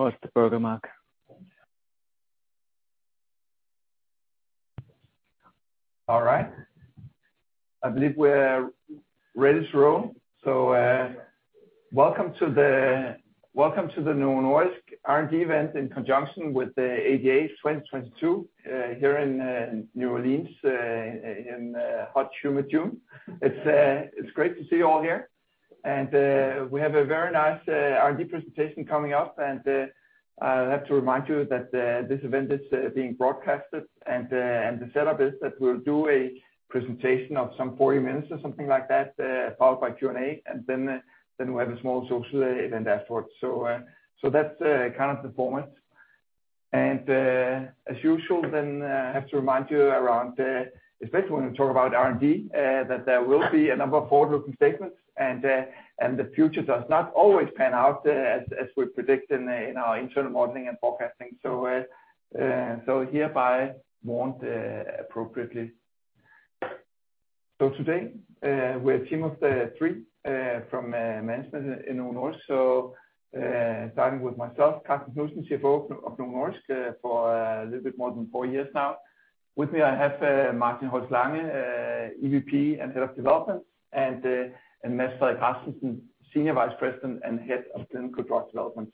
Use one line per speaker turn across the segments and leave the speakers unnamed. Welcome to the Novo Nordisk R&D event in conjunction with the ADA 2022 here in New Orleans in hot, humid June. It's great to see you all here. We have a very nice R&D presentation coming up. I'll have to remind you that this event is being broadcasted. The setup is that we'll do a presentation of some 40 minutes or something like that, followed by Q&A. We'll have a small social event afterwards. That's kind of the format. As usual, I have to remind you, especially when we talk about R&D, that there will be a number of forward-looking statements. The future does not always pan out as we predict in our internal modeling and forecasting. Hereby warn appropriately. Today, we're a team of three from management in Novo Nordisk. Starting with myself, Karsten Knudsen, CFO of Novo Nordisk, for a little bit more than four years now. With me, I have Martin Holst Lange, EVP and Head of Development, and Mads Frederik Rasmussen, Senior Vice President and Head of Clinical Drug Development.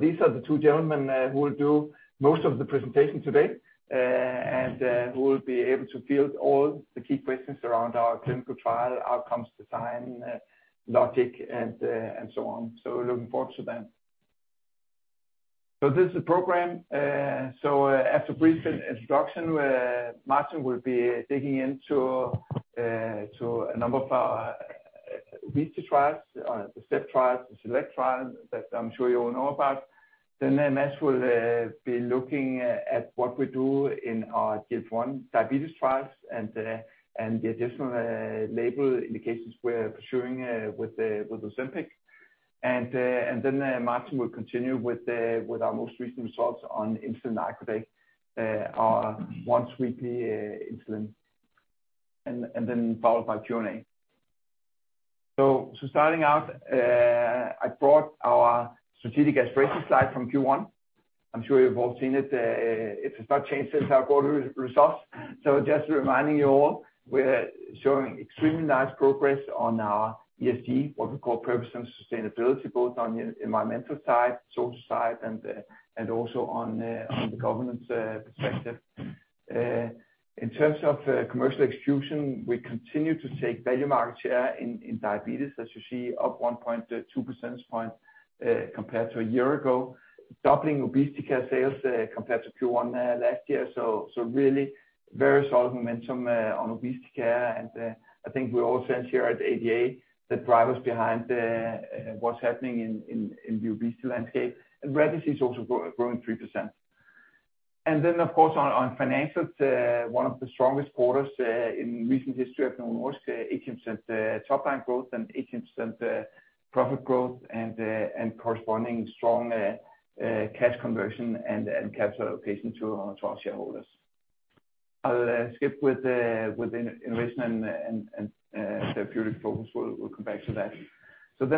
These are the two gentlemen who will do most of the presentation today, and who will be able to field all the key questions around our clinical trial outcomes, design, logic, and so on. Looking forward to that. This is the program. After a brief introduction, Martin will be digging into a number of our obesity trials, the STEP trials, the SELECT trial that I'm sure you all know about. Mads will be looking at what we do in our GLP-1 diabetes trials and the additional label indications we're pursuing with Ozempic. Martin will continue with our most recent results on insulin icodec, our once-weekly insulin. Followed by Q&A. Starting out, I brought our strategic aspiration slide from Q1. I'm sure you've all seen it. It has not changed since our quarterly results. Just reminding you all, we're showing extremely nice progress on our ESG, what we call purpose and sustainability, both on the environmental side, social side, and also on the governance perspective. In terms of commercial execution, we continue to take value market share in diabetes, as you see, up 1.2 percentage points compared to a year ago. Doubling obesity care sales compared to Q1 last year. Really very solid momentum on obesity care. I think we all sense here at ADA the drivers behind what's happening in the obesity landscape. Rare disease is also growing 3%. Of course on financials, one of the strongest quarters in recent history of Novo Nordisk. A 2% top line growth and 8% profit growth and corresponding strong cash conversion and capital allocation to our shareholders. I'll skip the innovation and therapeutic focus. We'll come back to that.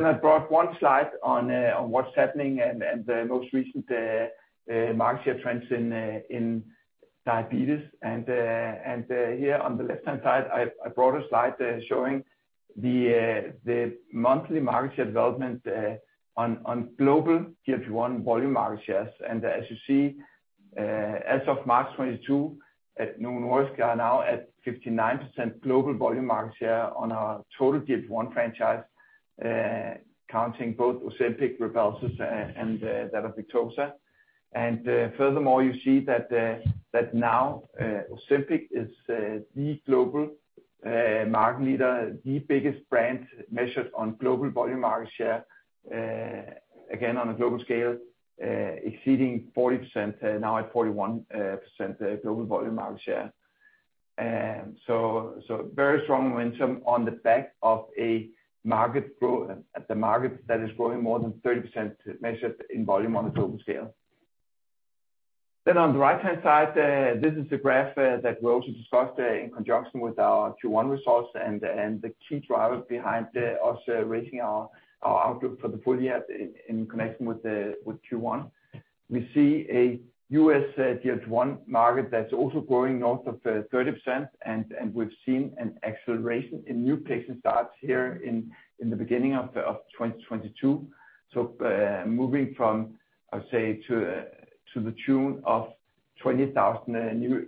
I brought one slide on what's happening and the most recent market share trends in diabetes. Here on the left-hand side, I brought a slide showing the monthly market share development on global GLP-1 volume market shares. As you see, as of March 2022, Novo Nordisk are now at 59% global volume market share on our total GLP-1 franchise, counting both Ozempic, Rybelsus, and that of Victoza. Furthermore, you see that now Ozempic is the global market leader, the biggest brand measured on global volume market share, again on a global scale, exceeding 40%, now at 41% global volume market share. So very strong momentum on the back of a market at the market that is growing more than 30% measured in volume on a global scale. On the right-hand side, this is the graph that we also discussed in conjunction with our Q1 results and the key drivers behind us raising our outlook for the full year in connection with Q1. We see a U.S. GLP-1 market that's also growing north of 30%, and we've seen an acceleration in new patient starts here in the beginning of 2022. Moving from, I would say, to the tune of 20,000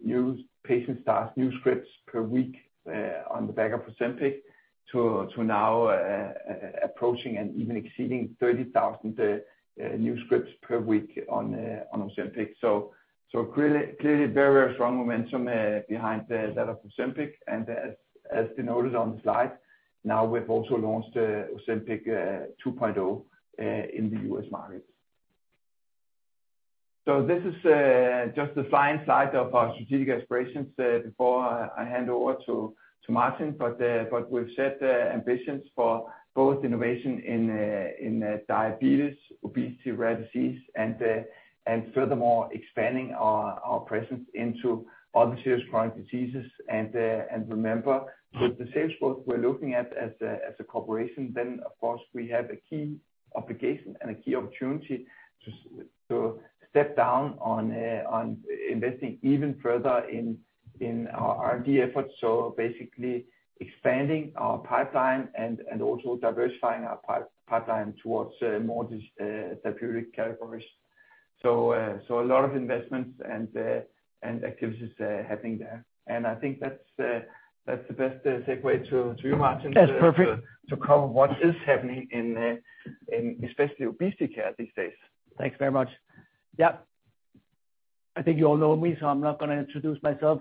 new patient starts, new scripts per week on the back of Ozempic to now approaching and even exceeding 30,000 new scripts per week on Ozempic. Clearly very strong momentum behind that of Ozempic. As denoted on the slide, now we've also launched Ozempic 2.0 in the U.S. market. This is just the final slide of our strategic aspirations before I hand over to Martin. We've set ambitions for both innovation in diabetes, obesity, rare disease, and furthermore expanding our presence into other serious chronic diseases. Remember, with the sales growth we're looking at as a corporation, then of course we have a key obligation and a key opportunity to step up on investing even further in our R&D efforts. Basically expanding our pipeline and also diversifying our pipeline towards more diverse therapeutic categories. A lot of investments and activities happening there. I think that's the best segue to you, Martin.
That's perfect.
to cover what is happening in especially obesity care these days.
Thanks very much. Yeah. I think you all know me, so I'm not gonna introduce myself.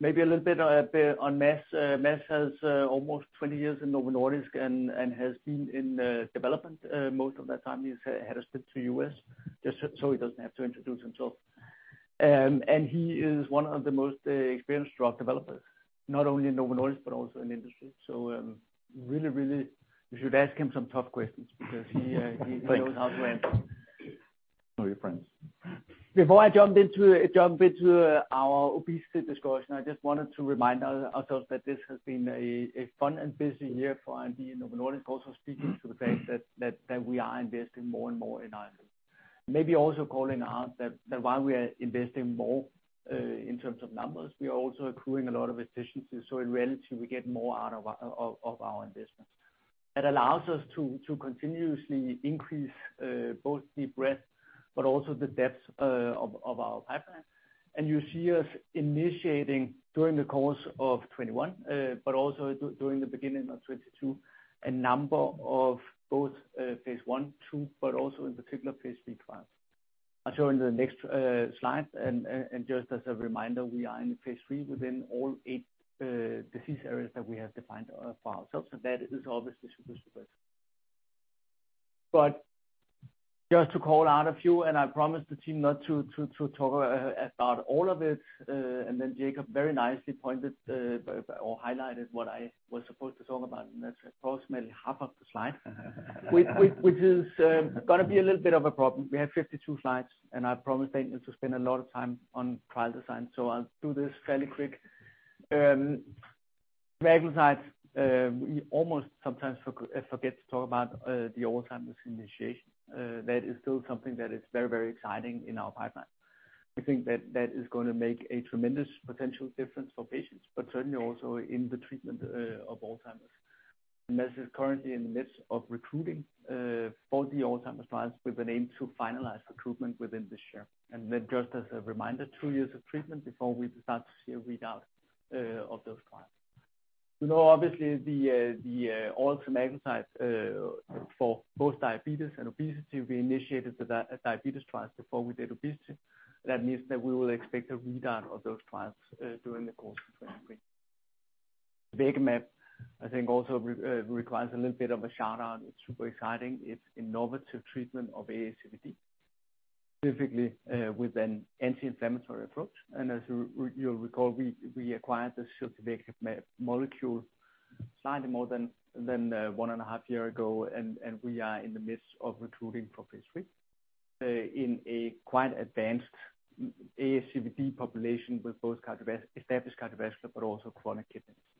Maybe a little bit on Mads. Mads has almost 20 years in Novo Nordisk and has been in development most of that time. He's had a stint in the U.S., just so he doesn't have to introduce himself. He is one of the most experienced drug developers, not only in Novo Nordisk but also in industry. Really, you should ask him some tough questions because he knows how to answer them.
All your friends.
Before I jump into our obesity discussion, I just wanted to remind ourselves that this has been a fun and busy year for R&D in Novo Nordisk, also speaking to the fact that we are investing more and more in R&D. Maybe also calling out that while we are investing more in terms of numbers, we are also accruing a lot of efficiencies. In reality, we get more out of our investments. It allows us to continuously increase both the breadth but also the depth of our pipeline. You see us initiating during the course of 2021, but also during the beginning of 2022, a number of both phase I, II, but also in particular phase III trials. I'll show in the next slide, and just as a reminder, we are in phase III within all eight disease areas that we have defined for ourselves, so that is obviously super. Just to call out a few, and I promised the team not to talk about all of it, and then Jacob very nicely pointed or highlighted what I was supposed to talk about, and that's approximately half of the slide. Which is gonna be a little bit of a problem. We have 52 slides, and I promised Daniel to spend a lot of time on trial design. I'll do this fairly quick. Indication, we almost sometimes forget to talk about the Alzheimer's indication. That is still something that is very, very exciting in our pipeline. We think that that is gonna make a tremendous potential difference for patients, but certainly also in the treatment of Alzheimer's. This is currently in the midst of recruiting for the Alzheimer's trials with an aim to finalize recruitment within this year. Then just as a reminder, two years of treatment before we start to see a readout of those trials. You know, obviously the oral semaglutide for both diabetes and obesity, we initiated the diabetes trials before we did obesity. That means that we will expect a readout of those trials during the course of 2023. Ziltivekimab I think also requires a little bit of a shout-out. It's super exciting. It's innovative treatment of ASCVD, specifically, with an anti-inflammatory approach. As you'll recall, we acquired the ziltivekimab molecule slightly more than 1.5 years ago, and we are in the midst of recruiting for phase III in a quite advanced ASCVD population with both established cardiovascular but also chronic kidney disease.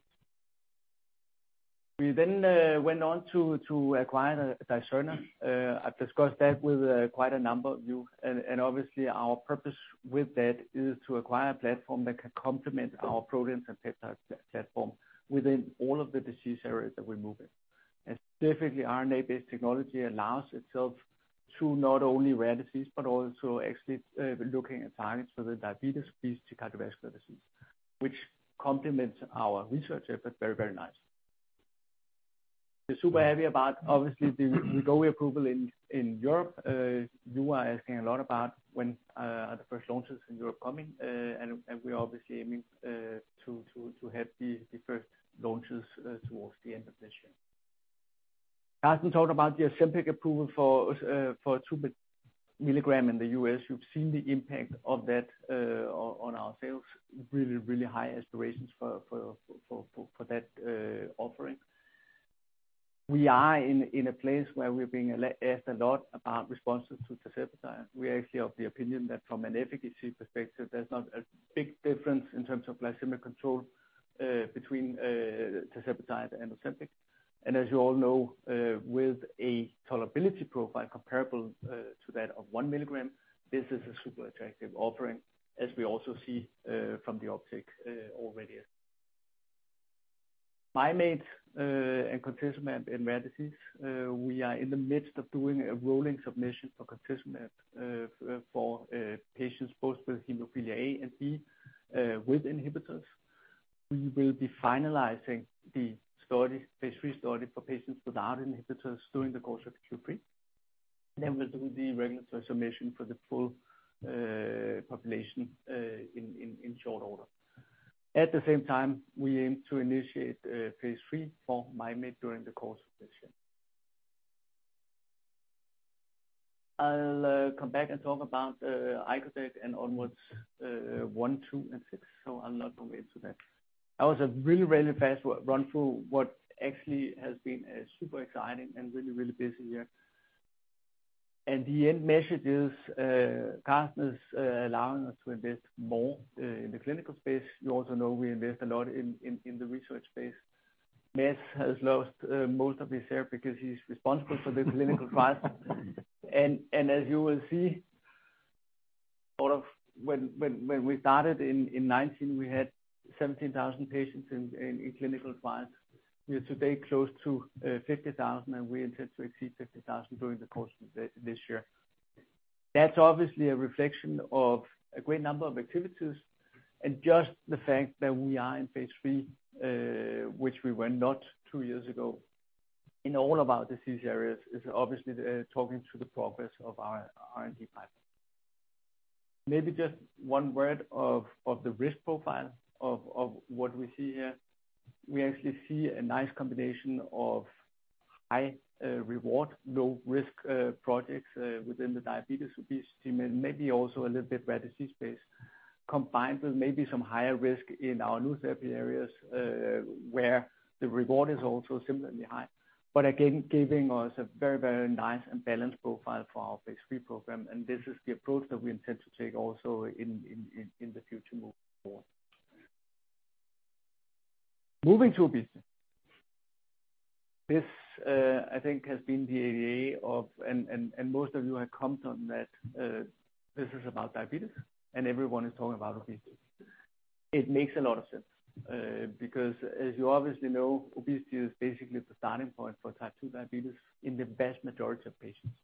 We went on to acquire Dicerna. I've discussed that with quite a number of you. Obviously our purpose with that is to acquire a platform that can complement our proteins and peptides platform within all of the disease areas that we move in. Specifically, RNA-based technology allows itself to not only rare disease but also actually looking at targets for the diabetes, obesity to cardiovascular disease, which complements our research efforts very, very nicely. We're super happy about obviously the go approval in Europe. You are asking a lot about when are the first launches in Europe coming, and we're obviously aiming to have the first launches towards the end of this year. Karsten talked about the Ozempic approval for 2 mg in the U.S. You've seen the impact of that on our sales. Really high aspirations for that offering. We are in a place where we're being asked a lot about responses to tirzepatide. We are actually of the opinion that from an efficacy perspective, there's not a big difference in terms of glycemic control between tirzepatide and Ozempic. As you all know, with a tolerability profile comparable to that of 1 mg, this is a super attractive offering, as we also see from the uptake already. Mim8 and concizumab in rare disease, we are in the midst of doing a rolling submission for concizumab for patients both with hemophilia A and B with inhibitors. We will be finalizing the study, phase III study for patients without inhibitors during the course of Q3. Then we'll do the regulatory submission for the full population in short order. At the same time, we aim to initiate phase III for Mim8 during the course of this year. I'll come back and talk about icodec and ONWARDS 1, 2, and 6, so I'll not go into that. That was a really, really fast run through what actually has been super exciting and really, really busy year. The end message is partners allowing us to invest more in the clinical space. You also know we invest a lot in the research space. Matt has lost most of his hair because he's responsible for the clinical trials. As you will see, when we started in 2019, we had 17,000 patients in clinical trials. We are today close to 50,000, and we intend to exceed 50,000 during the course of this year. That's obviously a reflection of a great number of activities, and just the fact that we are in phase III, which we were not two years ago in all of our disease areas, is obviously talking to the progress of our R&D pipeline. Maybe just one word of the risk profile of what we see here. We actually see a nice combination of high reward, low risk projects within the diabetes obesity, and maybe also a little bit rare disease space, combined with maybe some higher risk in our new therapy areas, where the reward is also similarly high. But again, giving us a very, very nice and balanced profile for our phase III program, and this is the approach that we intend to take also in the future moving forward. Moving to obesity. Most of you have commented that this is about diabetes, and everyone is talking about obesity. It makes a lot of sense because as you obviously know, obesity is basically the starting point for type 2 diabetes in the vast majority of patients.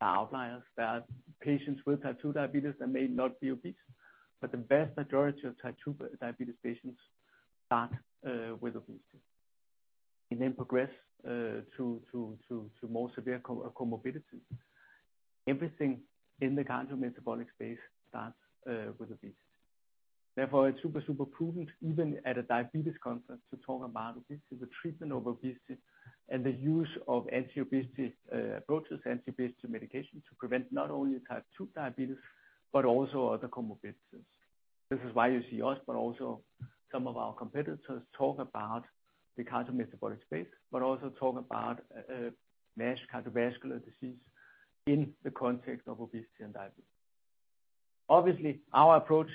There are outliers, there are patients with type 2 diabetes that may not be obese, but the vast majority of type 2 diabetes patients start with obesity and then progress to more severe comorbidities. Everything in the cardiometabolic space starts with obesity. Therefore, it's super prudent, even at a diabetes conference, to talk about obesity, the treatment of obesity, and the use of anti-obesity approaches, anti-obesity medication to prevent not only type 2 diabetes but also other comorbidities. This is why you see us, but also some of our competitors talk about the cardiometabolic space, but also talk about NASH cardiovascular disease in the context of obesity and diabetes. Obviously, our approach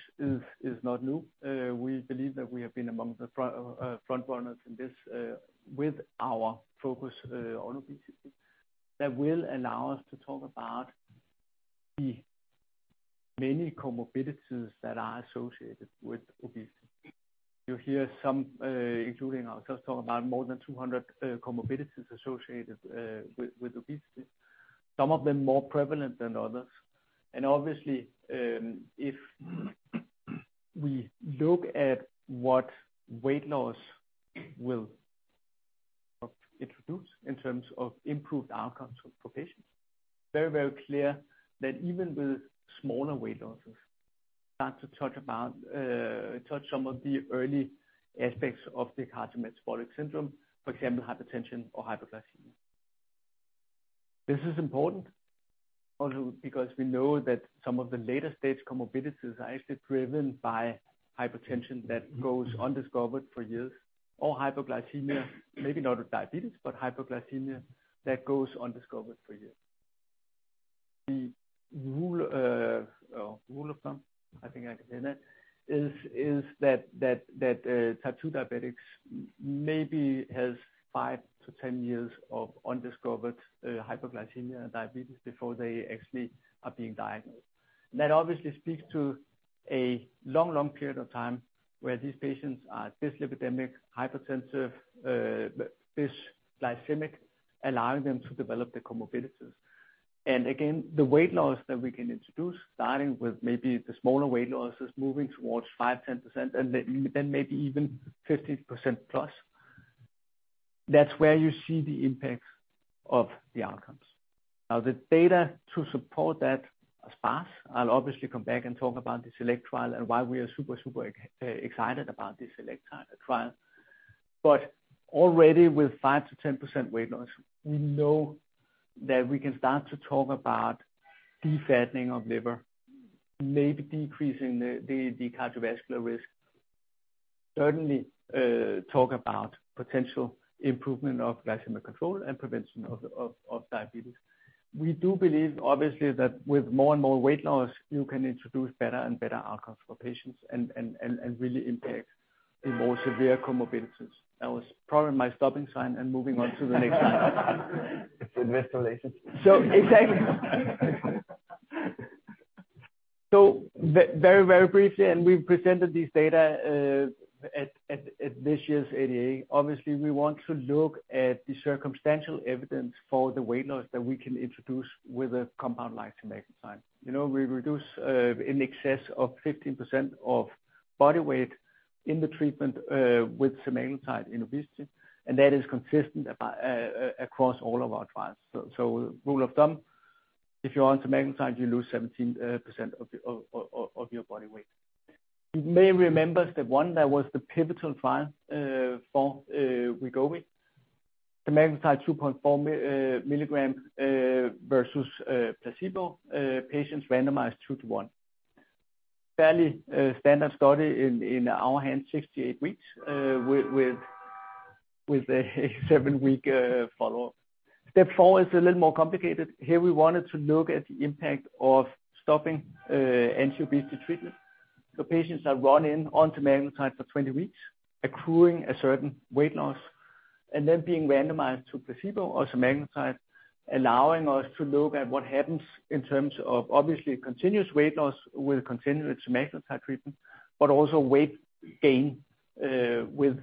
is not new. We believe that we have been among the front runners in this with our focus on obesity that will allow us to talk about the many comorbidities that are associated with obesity. You hear some, including our customers, talk about more than 200 comorbidities associated with obesity, some of them more prevalent than others. Obviously, if we look at what weight loss will introduce in terms of improved outcomes for patients, very, very clear that even with smaller weight losses start to touch about, touch some of the early aspects of the cardiometabolic syndrome, for example, hypertension or hyperglycemia. This is important also because we know that some of the later-stage comorbidities are actually driven by hypertension that goes undiscovered for years, or hyperglycemia, maybe not with diabetes, but hyperglycemia that goes undiscovered for years. The rule of thumb, I think I can say that, is that type 2 diabetics maybe has five to 10 years of undiscovered, hyperglycemia and diabetes before they actually are being diagnosed. That obviously speaks to a long period of time where these patients are dyslipidemic, hypertensive, dysglycemic, allowing them to develop the comorbidities. The weight loss that we can introduce, starting with maybe the smaller weight losses moving towards 5%, 10% and then maybe even 15%+, that's where you see the impacts of the outcomes. Now, the data to support that are sparse. I'll obviously come back and talk about the SELECT trial and why we are super excited about the SELECT trial. But already with 5%-10% weight loss, we know that we can start to talk about defatting of liver, maybe decreasing the cardiovascular risk, certainly talk about potential improvement of glycemic control and prevention of diabetes. We do believe, obviously, that with more and more weight loss, you can introduce better and better outcomes for patients and really impact the more severe comorbidities. That was probably my stopping sign and moving on to the next one.
It's Investor Relations.
Exactly. Very briefly, and we've presented this data at this year's ADA. Obviously, we want to look at the circumstantial evidence for the weight loss that we can introduce with a compound like semaglutide. You know, we reduce in excess of 15% of body weight in the treatment with semaglutide in obesity, and that is consistent across all of our trials. Rule of thumb, if you're on semaglutide, you lose 17% of your body weight. You may remember STEP 1, that was the pivotal trial for Wegovy. Semaglutide 2.4 mg versus placebo, patients randomized two to one. Fairly standard study in our hands 68 weeks with a seven-week follow-up. STEP 4 is a little more complicated. Here we wanted to look at the impact of stopping anti-obesity treatment. Patients are run in onto semaglutide for 20 weeks, accruing a certain weight loss, and then being randomized to placebo or semaglutide, allowing us to look at what happens in terms of obviously continuous weight loss with continued semaglutide treatment, but also weight gain with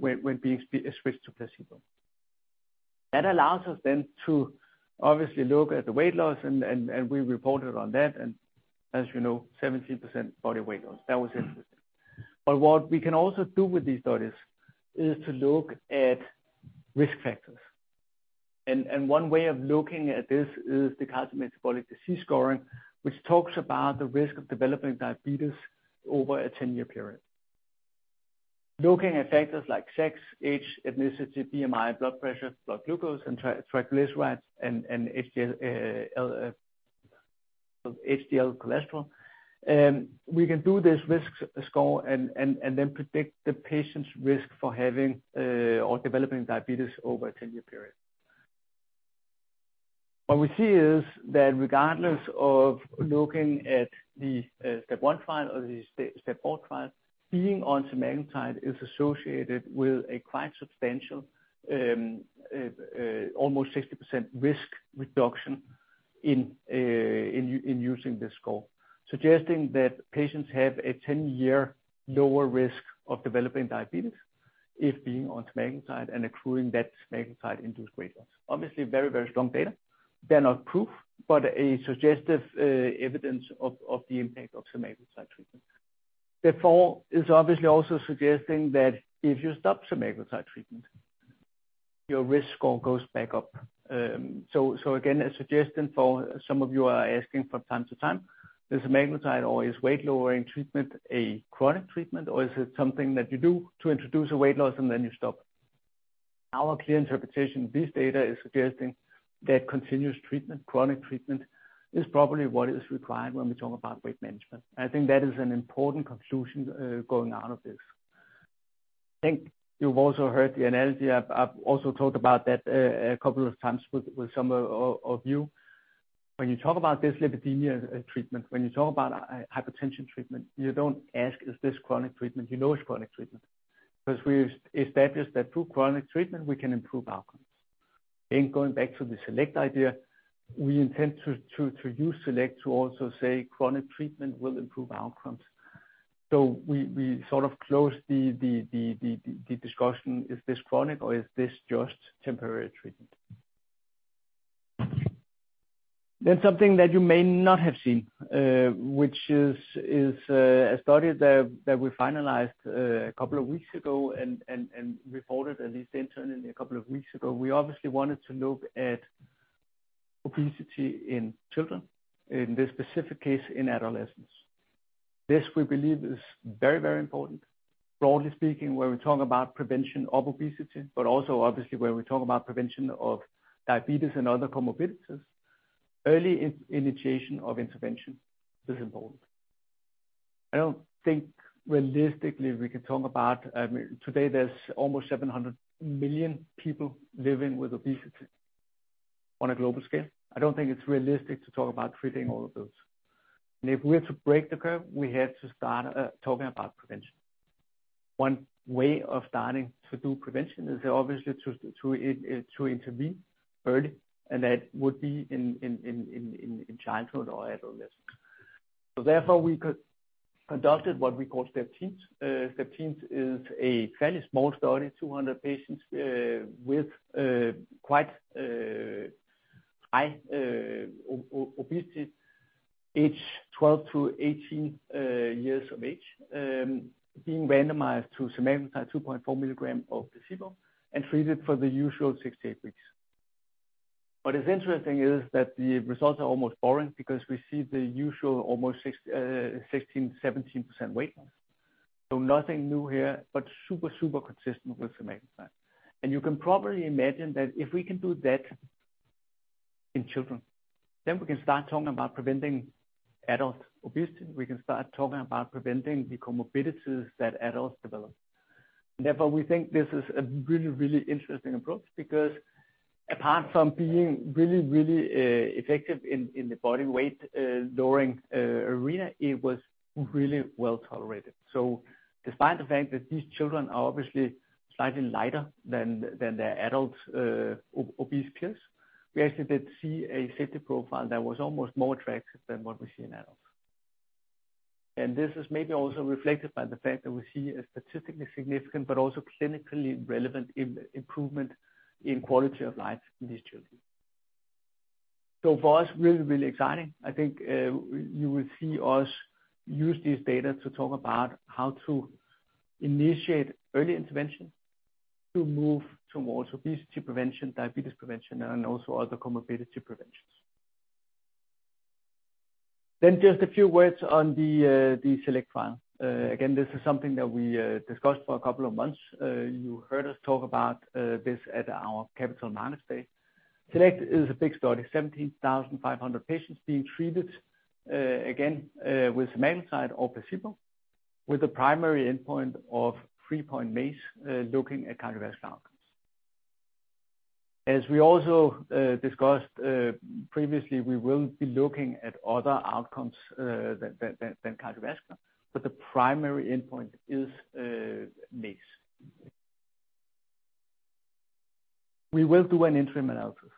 when being switched to placebo. That allows us then to obviously look at the weight loss and we reported on that, and as you know, 17% body weight loss. That was interesting. What we can also do with these studies is to look at risk factors. One way of looking at this is the cardiovascular disease scoring, which talks about the risk of developing diabetes over a 10-year period. Looking at factors like sex, age, ethnicity, BMI, blood pressure, blood glucose, and triglycerides and HDL cholesterol, we can do this risk score and then predict the patient's risk for having or developing diabetes over a 10-year period. What we see is that regardless of looking at the STEP 1 trial or the STEP 4 trial, being on semaglutide is associated with a quite substantial almost 60% risk reduction in using this score, suggesting that patients have a 10-year lower risk of developing diabetes if being on semaglutide and accruing that semaglutide-induced weight loss. Obviously, very, very strong data. They're not proof, but a suggestive evidence of the impact of semaglutide treatment. Therefore, it's obviously also suggesting that if you stop semaglutide treatment, your risk score goes back up. Again, a suggestion for some of you are asking from time to time, is semaglutide or is weight-lowering treatment a chronic treatment, or is it something that you do to introduce a weight loss and then you stop? Our clear interpretation of this data is suggesting that continuous treatment, chronic treatment, is probably what is required when we talk about weight management. I think that is an important conclusion going out of this. I think you've also heard the analogy. I've also talked about that a couple of times with some of you. When you talk about dyslipidemia treatment, when you talk about hypertension treatment, you don't ask, "Is this chronic treatment?" You know it's chronic treatment. 'Cause we've established that through chronic treatment, we can improve outcomes. Going back to the SELECT idea, we intend to use SELECT to also say chronic treatment will improve outcomes. We sort of close the discussion, is this chronic or is this just temporary treatment? Something that you may not have seen, which is a study that we finalized a couple of weeks ago and reported at least internally a couple of weeks ago. We obviously wanted to look at obesity in children, in this specific case, in adolescents. This, we believe, is very, very important. Broadly speaking, when we talk about prevention of obesity, but also obviously when we talk about prevention of diabetes and other comorbidities, early initiation of intervention is important. I don't think realistically we can talk about today there's almost 700 million people living with obesity on a global scale. I don't think it's realistic to talk about treating all of those. If we are to break the curve, we have to start talking about prevention. One way of starting to do prevention is obviously to intervene early, and that would be in childhood or adolescence. Therefore, we conducted what we call STEP TEENS. STEP TEENS is a fairly small study, 200 patients with quite high obesity, age 12 to 18 years of age, being randomized to semaglutide 2.4 mg or placebo and treated for the usual 68 weeks. What is interesting is that the results are almost boring because we see the usual almost 16-17% weight loss. Nothing new here, but super consistent with semaglutide. You can probably imagine that if we can do that in children, then we can start talking about preventing adult obesity. We can start talking about preventing the comorbidities that adults develop. Therefore, we think this is a really, really interesting approach because apart from being really, really effective in the body weight lowering arena, it was really well-tolerated. Despite the fact that these children are obviously slightly lighter than their adult obese peers, we actually did see a safety profile that was almost more attractive than what we see in adults. This is maybe also reflected by the fact that we see a statistically significant but also clinically relevant improvement in quality of life in these children. For us, really exciting. I think, you will see us use this data to talk about how to initiate early intervention. To move to more obesity prevention, diabetes prevention, and also other comorbidity preventions. Just a few words on the SELECT trial. Again, this is something that we discussed for a couple of months. You heard us talk about this at our Capital Markets Day. SELECT is a big study, 17,500 patients being treated, again, with semaglutide or placebo, with a primary endpoint of 3-point MACE, looking at cardiovascular outcomes. As we also discussed previously, we will be looking at other outcomes than cardiovascular, but the primary endpoint is MACE. We will do an interim analysis.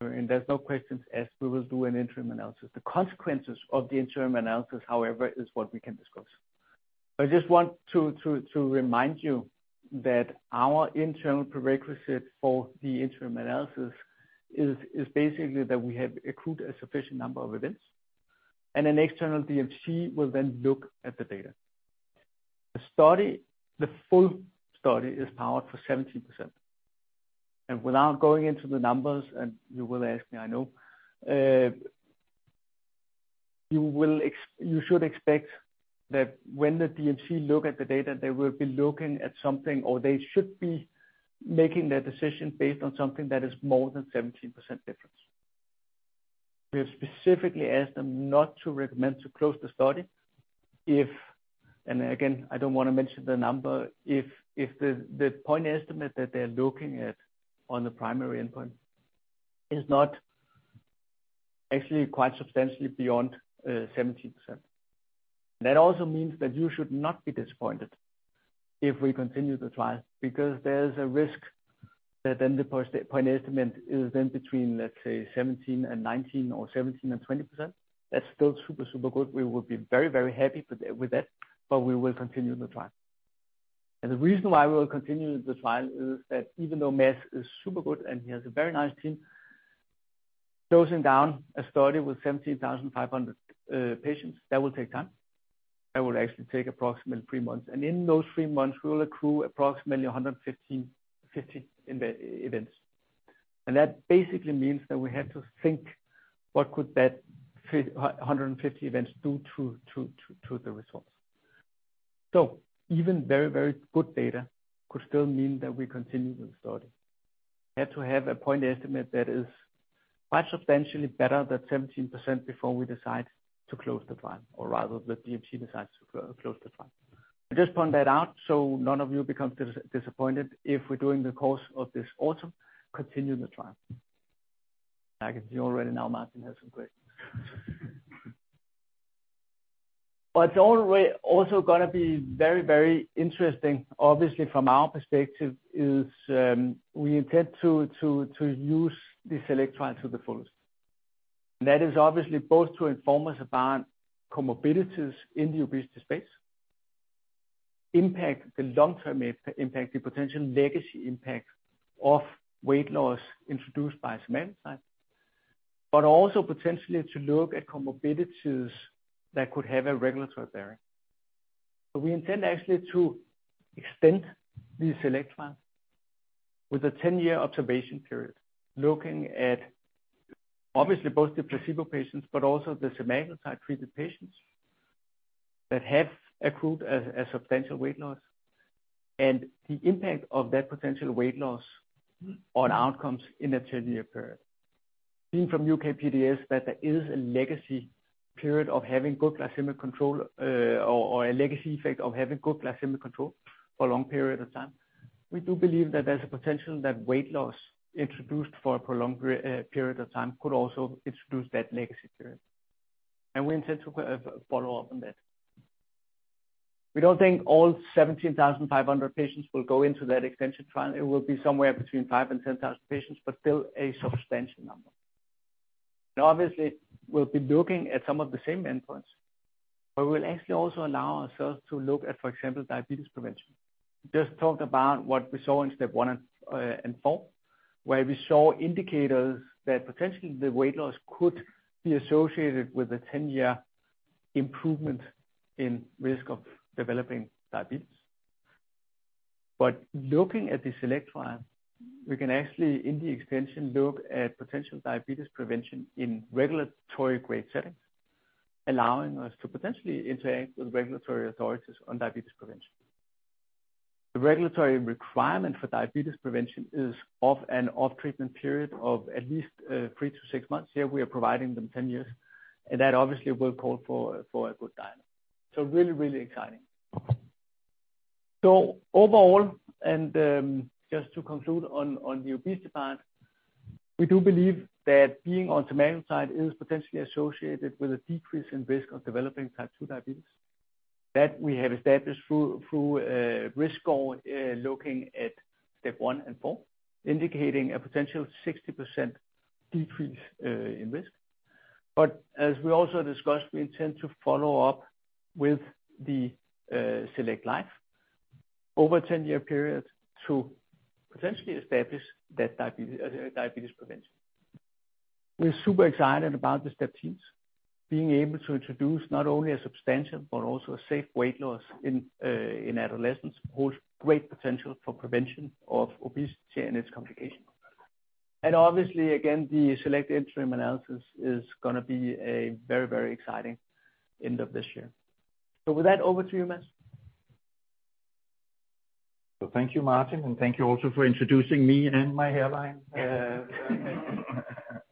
There's no questions asked, we will do an interim analysis. The consequences of the interim analysis, however, is what we can discuss. I just want to remind you that our internal prerequisite for the interim analysis is basically that we have accrued a sufficient number of events, and an external DMC will then look at the data. The study, the full study is powered for 17%. Without going into the numbers, and you will ask me, I know, you should expect that when the DMC look at the data, they will be looking at something, or they should be making their decision based on something that is more than 17% difference. We have specifically asked them not to recommend to close the study if, and again, I don't wanna mention the number, if the point estimate that they're looking at on the primary endpoint is not actually quite substantially beyond 17%. That also means that you should not be disappointed if we continue the trial, because there's a risk that then the point estimate is then between, let's say, 17% and 19% or 17% and 20%. That's still super good. We will be very, very happy with that, but we will continue the trial. The reason why we will continue the trial is that even though Mads is super good and he has a very nice team, closing down a study with 17,500 patients, that will take time. That will actually take approximately three months. In those three months, we will accrue approximately 115-150 events. That basically means that we have to think what could that 150 events do to the results. Even very, very good data could still mean that we continue the study. We have to have a point estimate that is quite substantially better than 17% before we decide to close the trial, or rather the DMC decides to close the trial. I just point that out so none of you become disappointed if we're doing the course of this autumn, continue the trial. I can see already now Martin has some questions. Also gonna be very, very interesting, obviously from our perspective, is we intend to use the SELECT trial to the fullest. That is obviously both to inform us about comorbidities in the obesity space, impact the long-term impact, the potential legacy impact of weight loss introduced by semaglutide, but also potentially to look at comorbidities that could have a regulatory bearing. We intend actually to extend the SELECT trial with a 10-year observation period, looking at obviously both the placebo patients, but also the semaglutide treated patients that have accrued a substantial weight loss, and the impact of that potential weight loss on outcomes in a 10-year period. Seeing from UKPDS that there is a legacy period of having good glycemic control or a legacy effect of having good glycemic control for a long period of time, we do believe that there's a potential that weight loss introduced for a prolonged period of time could also introduce that legacy period. We intend to follow up on that. We don't think all 17,500 patients will go into that extension trial. It will be somewhere between 5,000 and 10,000 patients, but still a substantial number. Now obviously, we'll be looking at some of the same endpoints, but we will actually also allow ourselves to look at, for example, diabetes prevention. Just talked about what we saw in STEP 1 and four, where we saw indicators that potentially the weight loss could be associated with a 10-year improvement in risk of developing diabetes. Looking at the SELECT trial, we can actually, in the extension, look at potential diabetes prevention in regulatory grade settings, allowing us to potentially interact with regulatory authorities on diabetes prevention. The regulatory requirement for diabetes prevention is off, an off-treatment period of at least three to six months. Here we are providing them 10 years, and that obviously will call for a good dialogue. Really, really exciting. Overall, just to conclude on the obesity part, we do believe that being on semaglutide is potentially associated with a decrease in risk of developing type two diabetes. That we have established through risk score looking at STEP 1 and STEP 4, indicating a potential 60% decrease in risk. But as we also discussed, we intend to follow up with the SELECT-LIFE over a 10-year period to potentially establish that diabetes prevention. We're super excited about the STEP TEENS being able to introduce not only a substantial but also a safe weight loss in adolescents, holds great potential for prevention of obesity and its complications. Obviously, again, the SELECT interim analysis is gonna be a very exciting end of this year. With that over to you, Mads.
Thank you, Martin, and thank you also for introducing me and my hairline.
Yeah.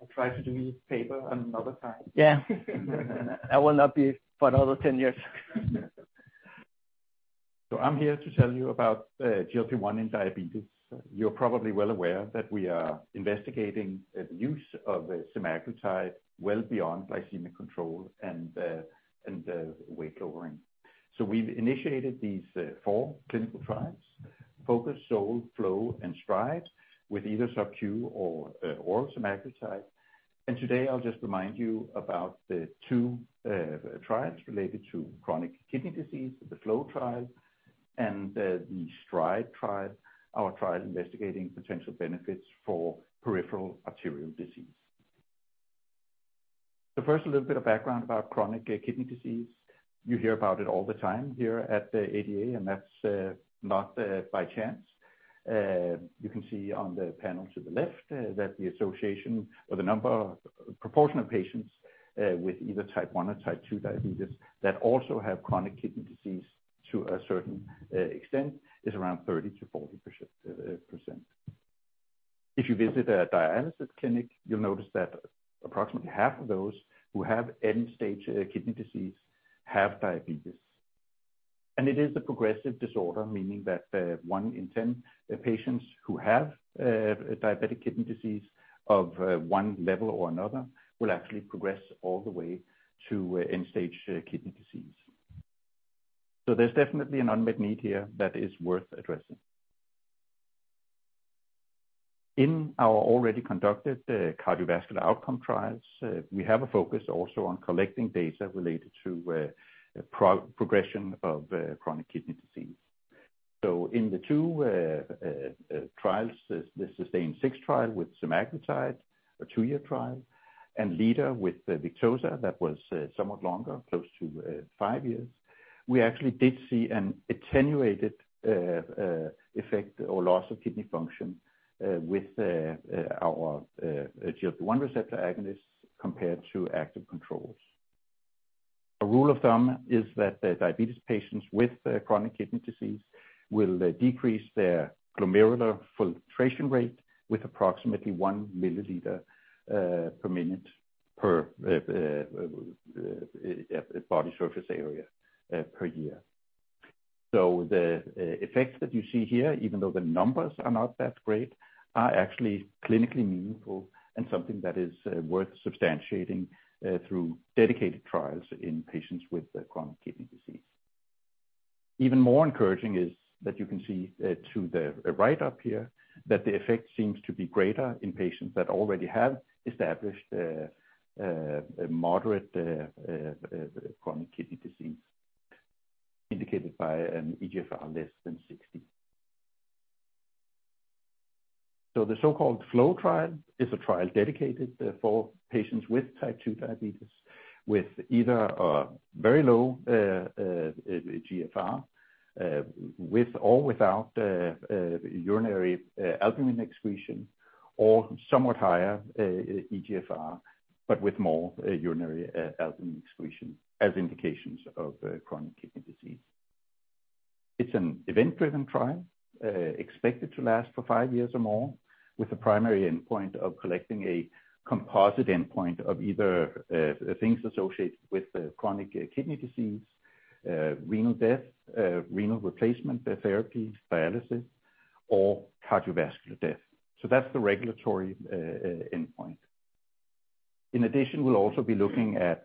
I'll try to do this paper another time.
Yeah. That will not be for another 10 years.
I'm here to tell you about GLP-1 in diabetes. You're probably well aware that we are investigating the use of semaglutide well beyond glycemic control and weight lowering. We've initiated these four clinical trials, FOCUS, SOUL, FLOW, and STRIDE, with either subcu or oral semaglutide. Today I'll just remind you about the two trials related to chronic kidney disease, the FLOW trial and the STRIDE trial, our trial investigating potential benefits for peripheral arterial disease. First, a little bit of background about chronic kidney disease. You hear about it all the time here at the ADA, and that's not by chance. You can see on the panel to the left that the association or the number of proportion of patients with either type 1 or type 2 diabetes that also have chronic kidney disease to a certain extent is around 30%-40%. If you visit a dialysis clinic, you'll notice that approximately half of those who have end-stage kidney disease have diabetes. It is a progressive disorder, meaning that one in 10 patients who have a diabetic kidney disease of one level or another will actually progress all the way to end-stage kidney disease. There's definitely an unmet need here that is worth addressing. In our already conducted cardiovascular outcome trials, we have a focus also on collecting data related to progression of chronic kidney disease. In the two trials, the SUSTAIN 6 trial with semaglutide, a two-year trial, and LEADER with Victoza, that was somewhat longer, close to five years. We actually did see an attenuated effect or loss of kidney function with our GLP-1 receptor agonists compared to active controls. A rule of thumb is that the diabetes patients with chronic kidney disease will decrease their glomerular filtration rate with approximately 1 mL per minute per body surface area per year. The effects that you see here, even though the numbers are not that great, are actually clinically meaningful and something that is worth substantiating through dedicated trials in patients with chronic kidney disease. Even more encouraging is that you can see, to the right up here that the effect seems to be greater in patients that already have established a moderate chronic kidney disease indicated by an eGFR less than 60. The so-called FLOW trial is a trial dedicated for patients with type 2 diabetes, with either a very low GFR, with or without urinary albumin excretion, or somewhat higher eGFR, but with more urinary albumin excretion as indications of chronic kidney disease. It's an event-driven trial, expected to last for five years or more, with a primary endpoint of collecting a composite endpoint of either, things associated with chronic kidney disease, renal death, renal replacement therapy, dialysis, or cardiovascular death. That's the regulatory endpoint. In addition, we'll also be looking at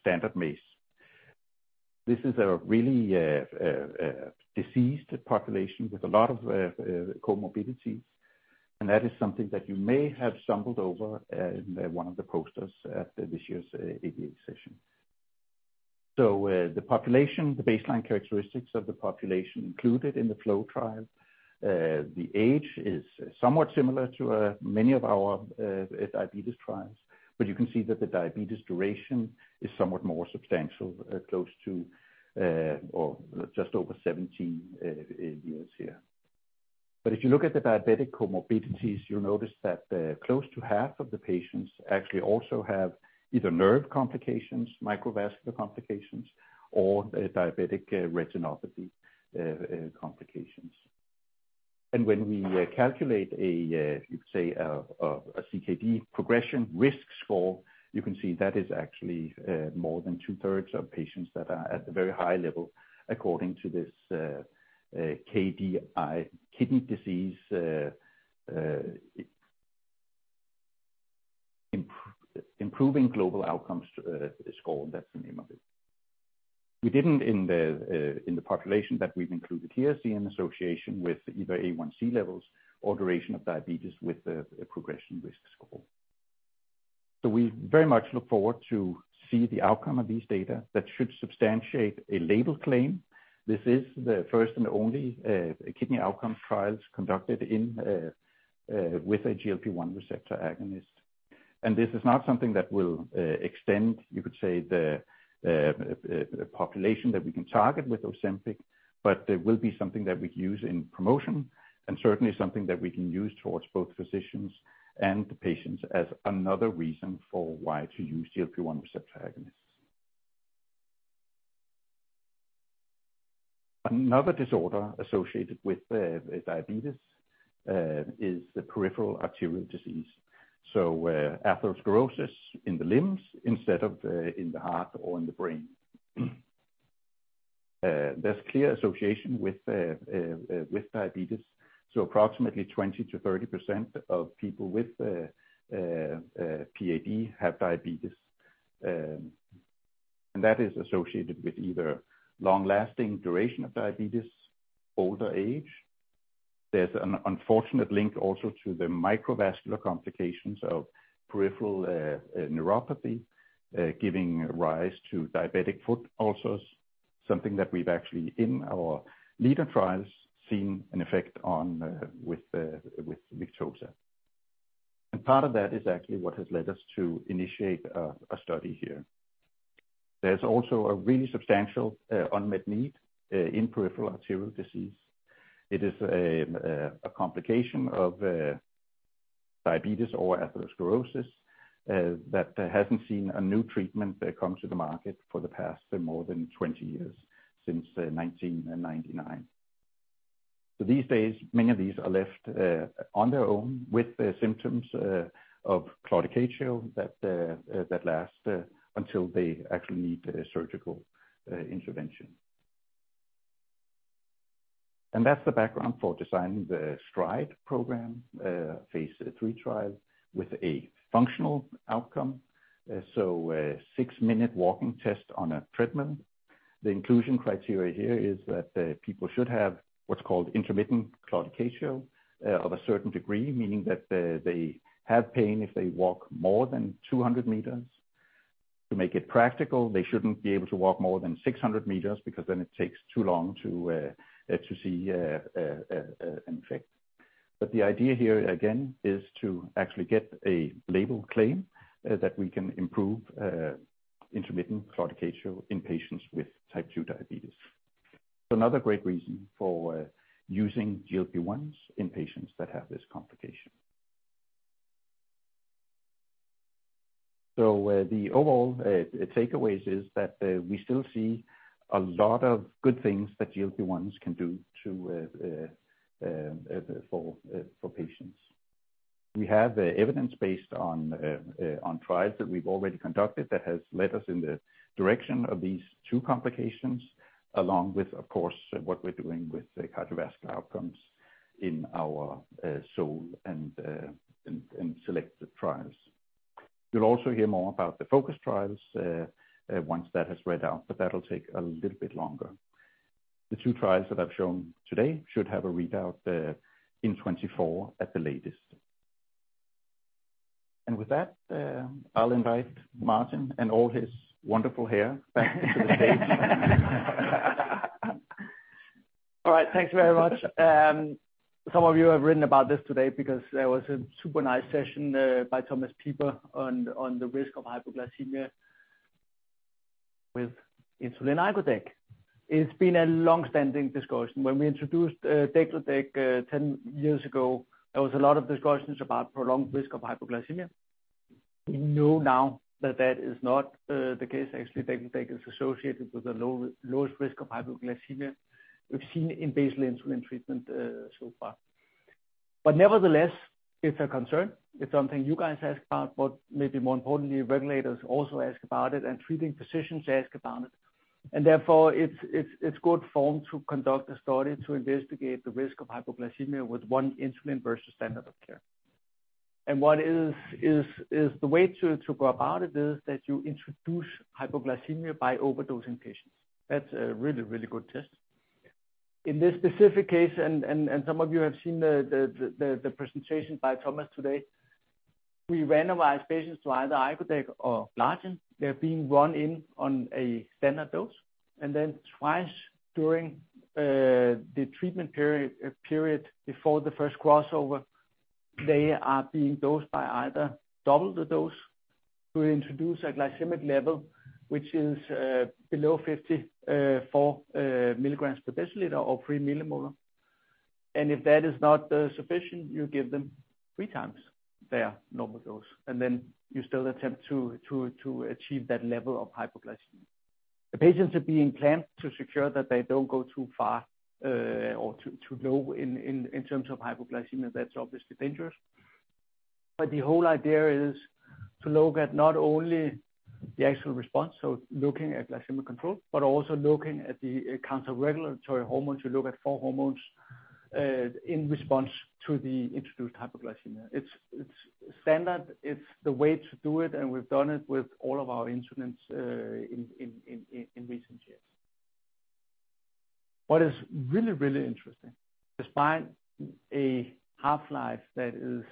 standard MACE. This is a really diseased population with a lot of comorbidities, and that is something that you may have stumbled over in one of the posters at this year's ADA session. The population, the baseline characteristics of the population included in the FLOW trial. The age is somewhat similar to many of our diabetes trials, but you can see that the diabetes duration is somewhat more substantial, close to, or just over 17 years here. But if you look at the diabetic comorbidities, you'll notice that close to half of the patients actually also have either nerve complications, microvascular complications, or diabetic retinopathy complications. When we calculate a CKD progression risk score, you can see that is actually more than two-thirds of patients that are at the very high level according to this KDIGO kidney disease improving global outcomes score. That's the name of it. We didn't in the population that we've included here see an association with either A1C levels or duration of diabetes with the progression risk score. We very much look forward to see the outcome of these data that should substantiate a label claim. This is the first and only kidney outcome trials conducted with a GLP-1 receptor agonist. This is not something that will extend, you could say the population that we can target with Ozempic, but it will be something that we use in promotion and certainly something that we can use towards both physicians and the patients as another reason for why to use GLP-1 receptor agonists. Another disorder associated with diabetes is the peripheral artery disease. Atherosclerosis in the limbs instead of in the heart or in the brain. There's clear association with with diabetes, so approximately 20%-30% of people with PAD have diabetes. And that is associated with either long-lasting duration of diabetes, older age. There's an unfortunate link also to the microvascular complications of peripheral neuropathy, giving rise to diabetic foot ulcers, something that we've actually in our LEADER trials seen an effect on with Victoza. Part of that is actually what has led us to initiate a study here. There's also a really substantial unmet need in peripheral arterial disease. It is a complication of diabetes or atherosclerosis that hasn't seen a new treatment come to the market for the past more than 20 years, since 1999. These days, many of these are left on their own with the symptoms of claudication that lasts until they actually need surgical intervention. That's the background for designing the STRIDE program, phase III trial with a functional outcome. A six-minute walking test on a treadmill. The inclusion criteria here is that the people should have what's called intermittent claudication of a certain degree, meaning that they have pain if they walk more than 200 m. To make it practical, they shouldn't be able to walk more than 600 m because then it takes too long to see an effect. The idea here again is to actually get a label claim that we can improve intermittent claudication in patients with type 2 diabetes. Another great reason for using GLP-1s in patients that have this complication. The overall takeaway is that we still see a lot of good things that GLP-1s can do for patients. We have evidence based on trials that we've already conducted that has led us in the direction of these two complications, along with, of course, what we're doing with the cardiovascular outcomes in our SOUL and SELECT trials. You'll also hear more about the FOCUS trials once that has read out, but that'll take a little bit longer. The two trials that I've shown today should have a readout in 2024 at the latest. With that, I'll invite Martin and all his wonderful hair back to the stage.
All right. Thanks very much. Some of you have written about this today because there was a super nice session by Thomas Pieber on the risk of hypoglycemia with insulin icodec. It's been a long-standing discussion. When we introduced degludec 10 years ago, there was a lot of discussions about prolonged risk of hypoglycemia. We know now that that is not the case. Actually, degludec is associated with the lowest risk of hypoglycemia we've seen in basal insulin treatment so far. Nevertheless, it's a concern. It's something you guys ask about, but maybe more importantly, regulators also ask about it, and treating physicians ask about it. Therefore, it's good form to conduct a study to investigate the risk of hypoglycemia with one insulin versus standard of care. What is the way to go about it is that you introduce hypoglycemia by overdosing patients. That's a really good test. In this specific case, some of you have seen the presentation by Thomas Pieber today. We randomize patients to either icodec or glargine. They're being run in on a standard dose. Twice during the treatment period before the first crossover, they are being dosed by either double the dose to introduce a glycemic level which is below 54 mg per deciliter or 3 mM. If that is not sufficient, you give them three times their normal dose, and then you still attempt to achieve that level of hypoglycemia. The patients are being planned to ensure that they don't go too far or too low in terms of hypoglycemia. That's obviously dangerous. The whole idea is to look at not only the actual response, so looking at glycemic control, but also looking at the counterregulatory hormones. You look at four hormones in response to the introduced hypoglycemia. It's standard. It's the way to do it, and we've done it with all of our insulins in recent years. What is really, really interesting, despite a half-life that is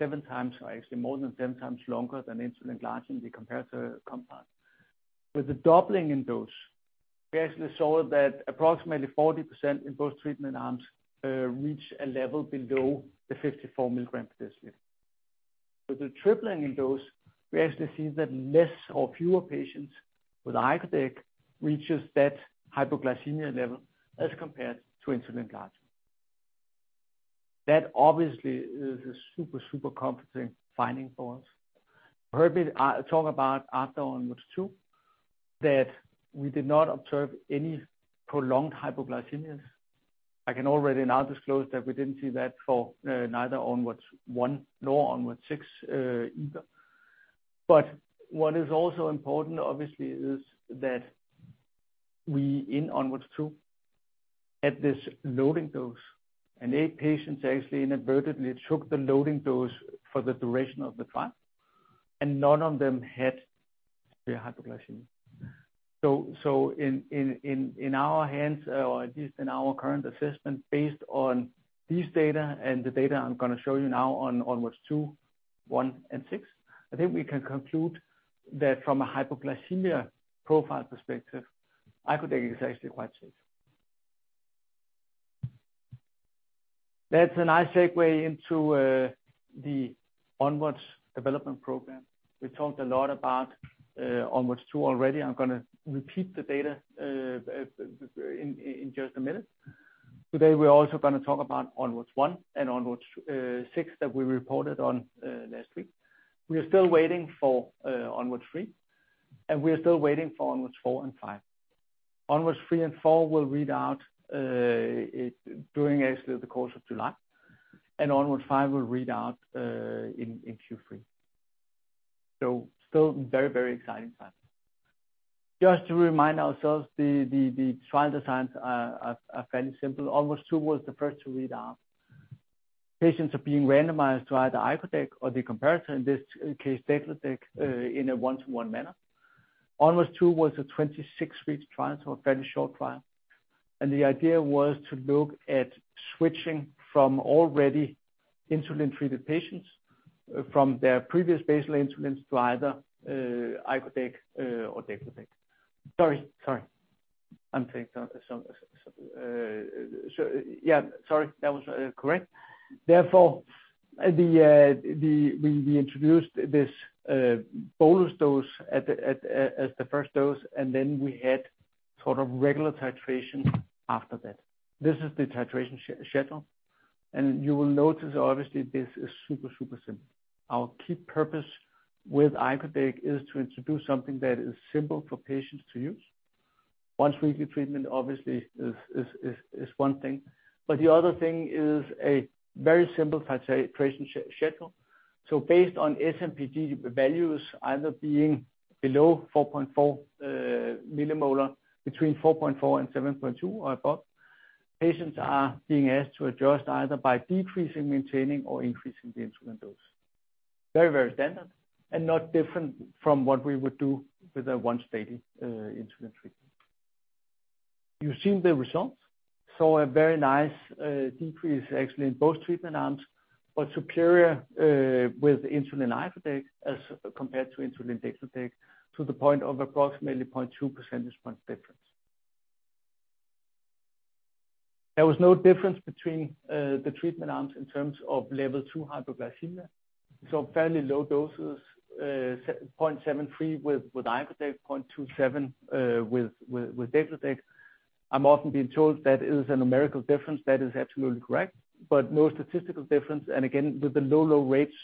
7x or actually more than 7x longer than insulin glargine, the comparator compound. With the doubling in dose, we actually saw that approximately 40% in both treatment arms reached a level below the 54 mg/dL. With the tripling in dose, we actually see that less or fewer patients with icodec reaches that hypoglycemia level as compared to insulin glargine. That obviously is a super comforting finding for us. You heard me talk about ONWARDS-2, that we did not observe any prolonged hypoglycemias. I can already now disclose that we didn't see that for neither ONWARDS-1 nor ONWARDS-6 either. What is also important obviously is that we, in ONWARDS 2, at this loading dose, and eight patients actually inadvertently took the loading dose for the duration of the trial, and none of them had severe hypoglycemia. In our hands, or at least in our current assessment based on these data and the data I'm gonna show you now on ONWARDS 2, 1, and 6, I think we can conclude that from a hypoglycemia profile perspective, icodec is actually quite safe. That's a nice segue into the ONWARDS development program. We talked a lot about ONWARDS 2 already. I'm gonna repeat the data in just a minute. Today, we're also gonna talk about ONWARDS 1 and ONWARDS 6 that we reported on last week. We are still waiting for ONWARDS 3, and we are still waiting for ONWARDS 4 and 5. ONWARDS 3 and 4 will read out during actually the course of July, and ONWARDS 5 will read out in Q3. Still very exciting times. Just to remind ourselves, the trial designs are fairly simple. ONWARDS 2 was the first to read out. Patients are being randomized to either icodec or the comparator, in this case degludec, in a 1-to-1 manner. ONWARDS 2 was a 26-week trial, so a fairly short trial. The idea was to look at switching from already insulin-treated patients from their previous basal insulins to either icodec or degludec. Sorry. I'm taking so. Yeah, sorry, that was correct. Therefore, we introduced this bolus dose as the first dose, and then we had sort of regular titration after that. This is the titration schedule. You will notice obviously this is super simple. Our key purpose with icodec is to introduce something that is simple for patients to use. Once-weekly treatment obviously is one thing, but the other thing is a very simple titration schedule. Based on SMPG values either being below 4.4 millimolar, between 4.4 and 7.2 or above, patients are being asked to adjust either by decreasing, maintaining, or increasing the insulin dose. Very standard and not different from what we would do with a once daily insulin treatment. You've seen the results. Saw a very nice decrease actually in both treatment arms, but superior with insulin icodec as compared to insulin degludec to the point of approximately 0.2 percentage points difference. There was no difference between the treatment arms in terms of level 2 hypoglycemia, so fairly low doses, 0.73 with icodec, 0.27 with degludec. I'm often being told that is a numerical difference. That is absolutely correct, but no statistical difference. Again, with the low rates,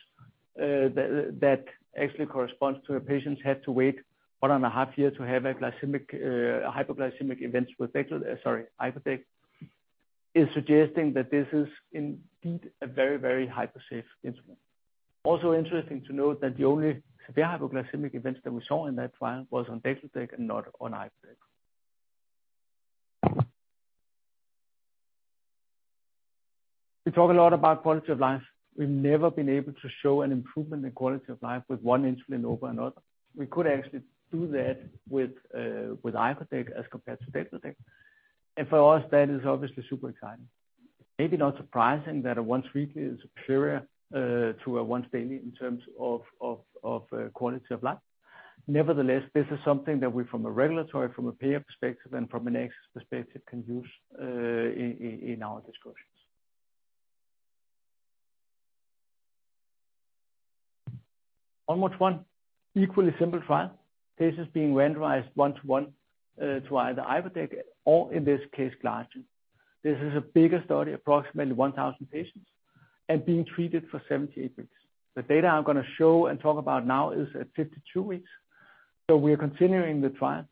that actually corresponds to our patients had to wait 1.5 years to have a hypoglycemic event with degludec. Sorry, icodec, is suggesting that this is indeed a very, very hypo-safe insulin. Also interesting to note that the only severe hypoglycemic events that we saw in that trial was on degludec and not on icodec. We talk a lot about quality of life. We've never been able to show an improvement in quality of life with one insulin over another. We could actually do that with icodec as compared to degludec. For us, that is obviously super exciting. Maybe not surprising that a once-weekly is superior to a once-daily in terms of quality of life. Nevertheless, this is something that we from a regulatory, from a payer perspective, and from an access perspective can use in our discussions. ONWARDS 1, equally simple trial. Patients being randomized 1-1 to either icodec or in this case glargine. This is a bigger study, approximately 1,000 patients, and being treated for 78 weeks. The data I'm gonna show and talk about now is at 52 weeks, so we are continuing the trial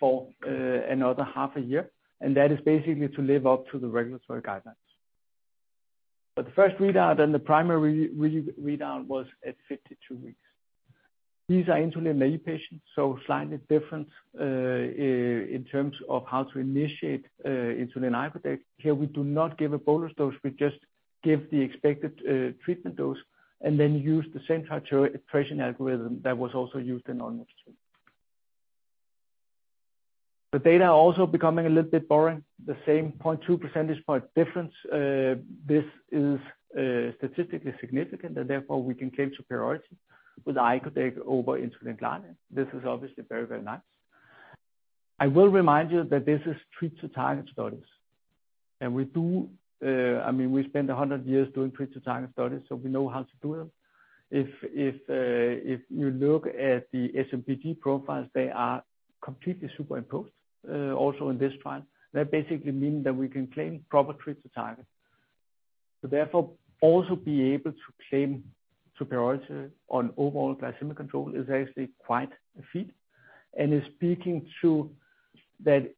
for another half a year, and that is basically to live up to the regulatory guidelines. The first readout and the primary readout was at 52 weeks. These are insulin-naive patients, so slightly different in terms of how to initiate insulin icodec. Here we do not give a bolus dose, we just give the expected treatment dose and then use the same titration algorithm that was also used in ONWARDS 2. The data also becoming a little bit boring, the same 0.2 percentage point difference. This is statistically significant, and therefore we can claim superiority with icodec over insulin glargine. This is obviously very, very nice. I will remind you that this is treat to target studies. We do, I mean we spent 100 years doing treat to target studies, so we know how to do them. If you look at the SMPG profiles, they are completely superimposed also in this trial. That basically mean that we can claim proper treat to target. Therefore, also be able to claim superiority on overall glycemic control is actually quite a feat, and is speaking to that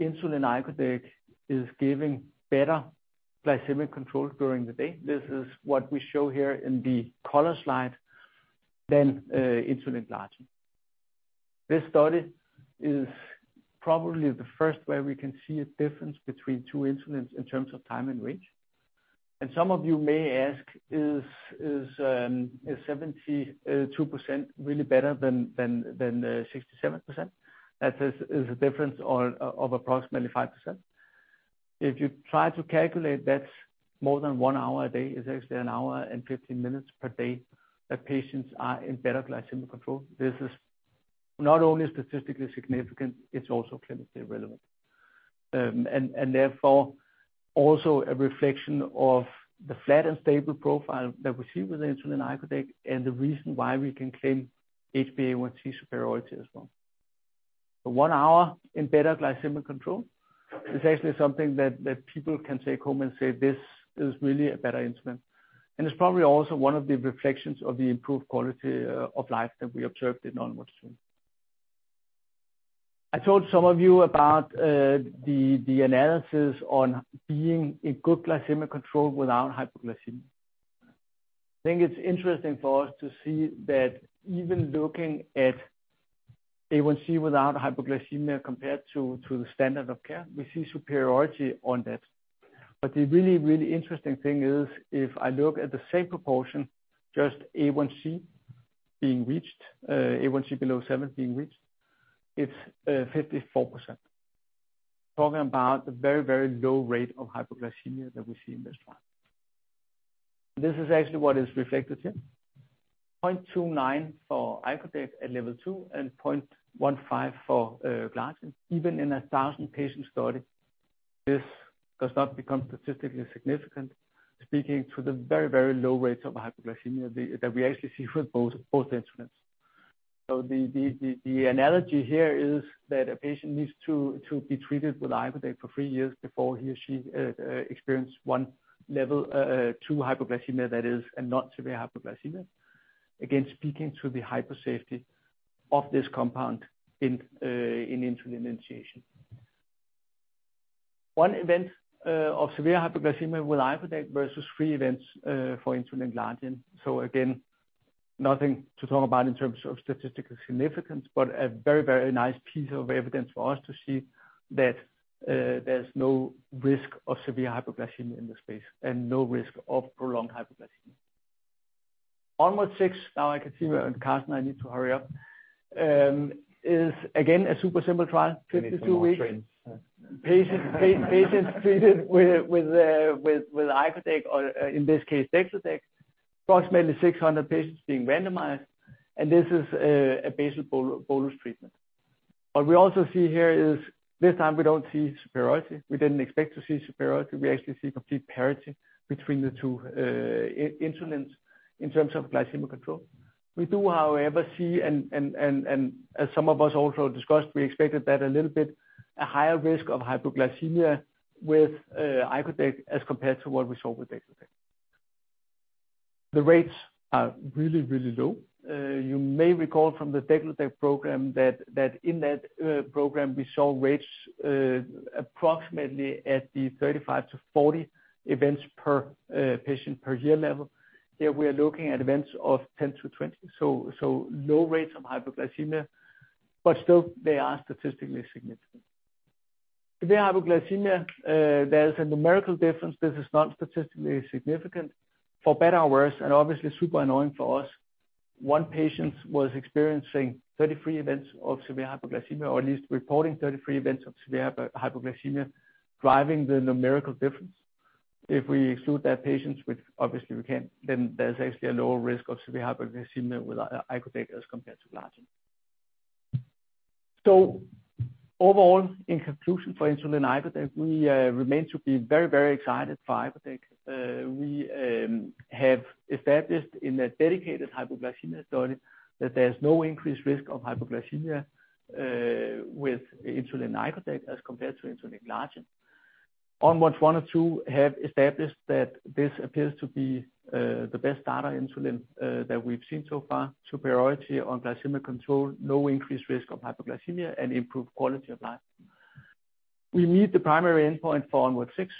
insulin icodec is giving better glycemic control during the day. This is what we show here in the color slide, than insulin glargine. This study is probably the first where we can see a difference between two insulins in terms of time in range. Some of you may ask is 72% really better than 67%? That is a difference of approximately 5%. If you try to calculate that more than one hour a day, it's actually an hour and 15 minutes per day that patients are in better glycemic control. This is not only statistically significant, it's also clinically relevant. Therefore, also a reflection of the flat and stable profile that we see with insulin icodec, and the reason why we can claim HbA1c superiority as well. The one hour in better glycemic control is actually something that people can take home and say, "This is really a better insulin." It's probably also one of the reflections of the improved quality of life that we observed in ONWARDS 6. I told some of you about the analysis on being in good glycemic control without hypoglycemia. I think it's interesting for us to see that even looking at A1C without hypoglycemia compared to the standard of care, we see superiority on that. The really interesting thing is, if I look at the same proportion, just A1C being reached, A1C below seven being reached, it's 54%. Talking about the very, very low rate of hypoglycemia that we see in this trial. This is actually what is reflected here, 0.29 for icodec at level 2, and 0.15 for glargine. Even in a 1,000-patient study, this does not become statistically significant, speaking to the very, very low rates of hypoglycemia that we actually see with both insulins. The analogy here is that a patient needs to be treated with icodec for three years before he or she experience one level 2 hypoglycemia that is and not severe hypoglycemia. Again, speaking to the hypo safety of this compound in insulin initiation. One event of severe hypoglycemia with icodec versus three events for insulin glargine. Again, nothing to talk about in terms of statistical significance, but a very, very nice piece of evidence for us to see that, there's no risk of severe hypoglycemia in this space, and no risk of prolonged hypoglycemia. ONWARDS 6, now I can see Karsten, I need to hurry up, is again a super simple trial, 52 weeks.
You need some more training.
Patients treated with icodec or in this case degludec, approximately 600 patients being randomized, and this is a basal bolus treatment. What we also see here is this time we don't see superiority. We didn't expect to see superiority. We actually see complete parity between the two insulins in terms of glycemic control. We do, however, see as some of us also discussed, we expected that a little bit higher risk of hypoglycemia with icodec as compared to what we saw with degludec. The rates are really low. You may recall from the degludec program that in that program, we saw rates approximately at the 35-40 events per patient per year level. Here, we're looking at events of 10-20, so low rates of hypoglycemia, but still they are statistically significant. Severe hypoglycemia, there is a numerical difference. This is not statistically significant. For better or worse, and obviously super annoying for us, one patient was experiencing 33 events of severe hypoglycemia, or at least reporting 33 events of severe hypoglycemia, driving the numerical difference. If we exclude that patient, which obviously we can, then there's actually a lower risk of severe hypoglycemia with icodec as compared to glargine. Overall, in conclusion for insulin icodec, we remain to be very, very excited for icodec. We have established in a dedicated hypoglycemia study that there's no increased risk of hypoglycemia with insulin icodec as compared to insulin glargine. ONWARDS 1 and 2 have established that this appears to be the best basal insulin that we've seen so far, superiority on glycemic control, no increased risk of hypoglycemia, and improved quality of life. We meet the primary endpoint for ONWARDS 6,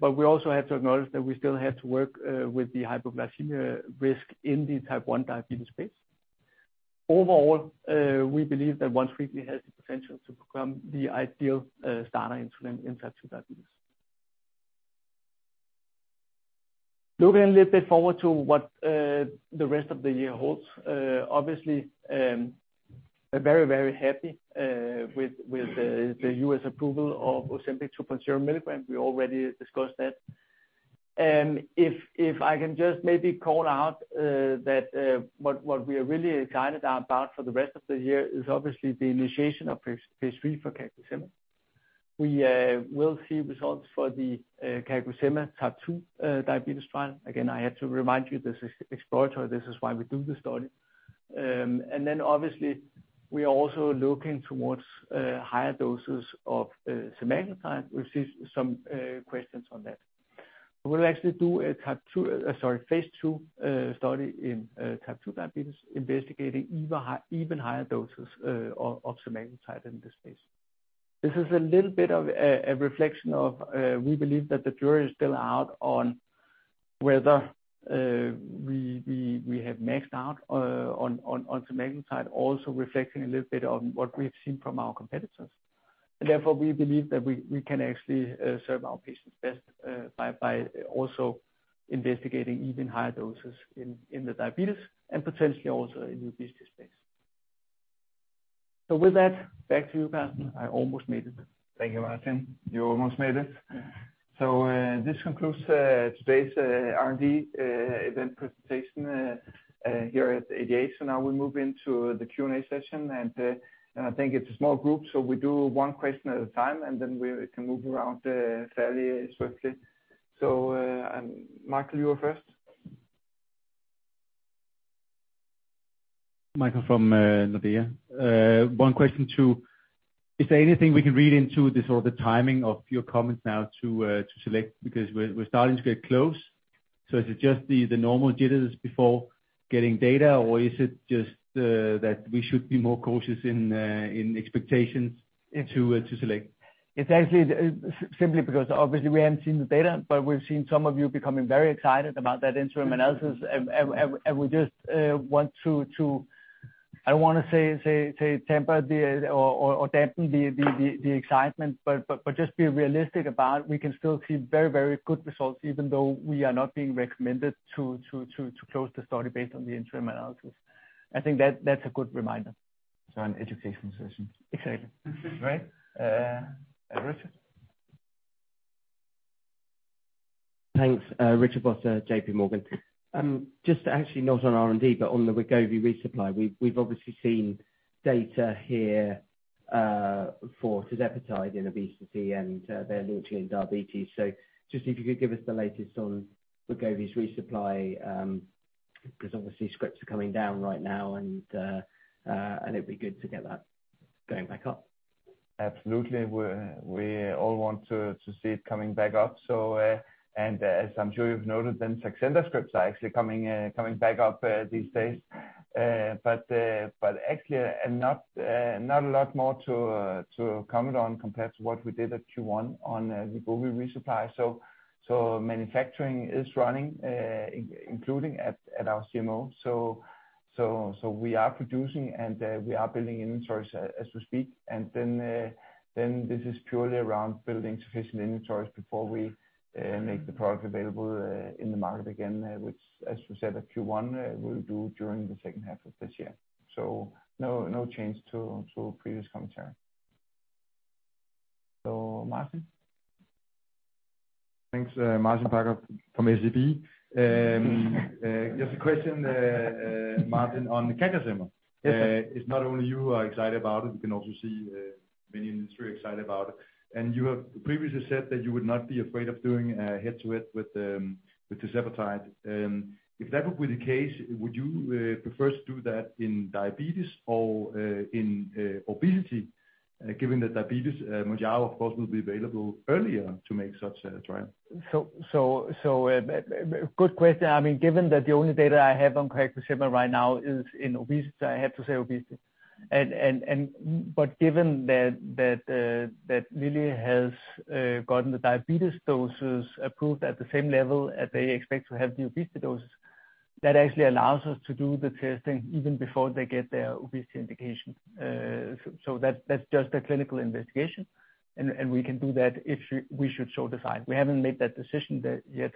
but we also have to acknowledge that we still have to work with the hypoglycemia risk in the type 1 diabetes space. Overall, we believe that once-weekly has the potential to become the ideal starter insulin in type 2 diabetes. Looking a little bit forward to what the rest of the year holds. Obviously, very, very happy with the U.S. approval of Ozempic 2 mg, we already discussed that. If I can just maybe call out that what we are really excited about for the rest of the year is obviously the initiation of phase III for CagriSema. We will see results for the CagriSema type 2 diabetes trial. Again, I have to remind you this is exploratory, this is why we do the study. We are also looking towards higher doses of semaglutide. We've seen some questions on that. We'll actually do a phase II study in type 2 diabetes, investigating even higher doses of semaglutide in this case. This is a little bit of a reflection of we believe that the jury is still out on whether we have maxed out on semaglutide, also reflecting a little bit on what we have seen from our competitors. Therefore, we believe that we can actually serve our patients best by also investigating even higher doses in the diabetes and potentially also in obesity space. With that, back to you, Karsten. I almost made it.
Thank you, Martin. You almost made it.
Yeah.
This concludes today's R&D event presentation here at the ADA. Now we move into the Q&A session, and I think it's a small group, so we do one question at a time, and then we can move around fairly swiftly. Michael, you are first.
Michael from Nordea. One question. Is there anything we can read into the sort of timing of your comments now to SELECT, because we're starting to get close. Is it just the normal jitters before getting data, or is it just that we should be more cautious in expectations into SELECT?
It's actually simply because obviously we haven't seen the data, but we've seen some of you becoming very excited about that interim analysis. We just want to, I don't wanna say temper or dampen the excitement, but just be realistic about we can still see very, very good results even though we are not being recommended to close the study based on the interim analysis. I think that's a good reminder.
An education session.
Exactly.
Right. Richard?
Thanks. Richard Vosser, J.P. Morgan. Just actually not on R&D, but on the Wegovy resupply. We've obviously seen data here for tirzepatide in obesity and their launch in diabetes. Just if you could give us the latest on Wegovy's resupply, 'cause obviously scripts are coming down right now, and it'd be good to get that going back up.
Absolutely. We all want to see it coming back up. As I'm sure you've noted, the Saxenda scripts are actually coming back up these days. Actually, not a lot more to comment on compared to what we did at Q1 on Wegovy resupply. Manufacturing is running, including at our CMO. We are producing, and we are building inventories as we speak. This is purely around building sufficient inventories before we make the product available in the market again, which as we said at Q1, we'll do during the second half of this year. No change to previous commentary. Martin?
Thanks. Martin Parkhøi from SEB. Just a question, Martin, on CagriSema.
Yes, sir.
It's not only you are excited about it, you can also see many industry excited about it. You have previously said that you would not be afraid of doing a head-to-head with tirzepatide. If that would be the case, would you prefer to do that in diabetes or in obesity, given that diabetes, Mounjaro of course will be available earlier to make such a trial?
A good question. I mean, given that the only data I have on CagriSema right now is in obesity, I have to say obesity. Given that Lilly has gotten the diabetes doses approved at the same level as they expect to have the obesity dose, that actually allows us to do the testing even before they get their obesity indication. That's just a clinical investigation. We can do that if we should so decide. We haven't made that decision yet.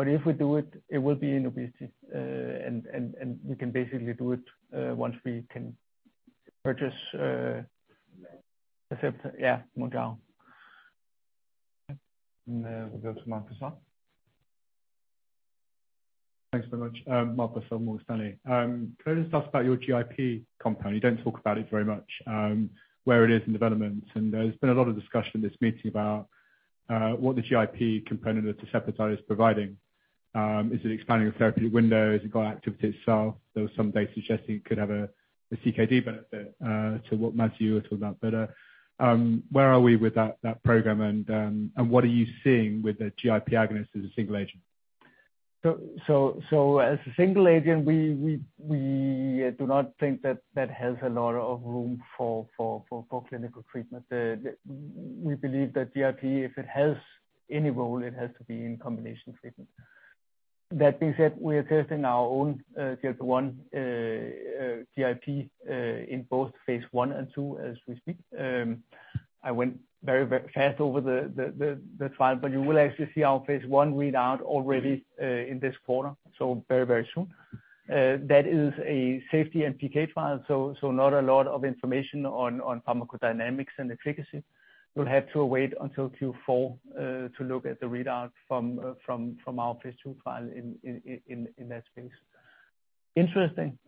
If we do it will be in obesity. We can basically do it once we can purchase yeah, Mounjaro.
We'll go to Marcus on.
Thanks very much. Marcus from Morgan Stanley. Can I just ask about your GIP compound? You don't talk about it very much, where it is in development, and there's been a lot of discussion this meeting about what the GIP component of tirzepatide is providing. Is it expanding the therapeutic window? Has it got activity itself? There was some data suggesting it could have a CKD benefit to what Matt was talking about. Where are we with that program, and what are you seeing with the GIP agonist as a single agent?
As a single agent, we do not think that has a lot of room for clinical treatment. We believe that GIP, if it has any role, it has to be in combination treatment. That being said, we are testing our own GLP-1 GIP in both phase I and II as we speak. I went very fast over the trial, but you will actually see our phase I readout already in this quarter, so very soon. That is a safety and PK file, so not a lot of information on pharmacodynamics and efficacy. We'll have to wait until Q4 to look at the readout from our phase II trial in that space. Interesting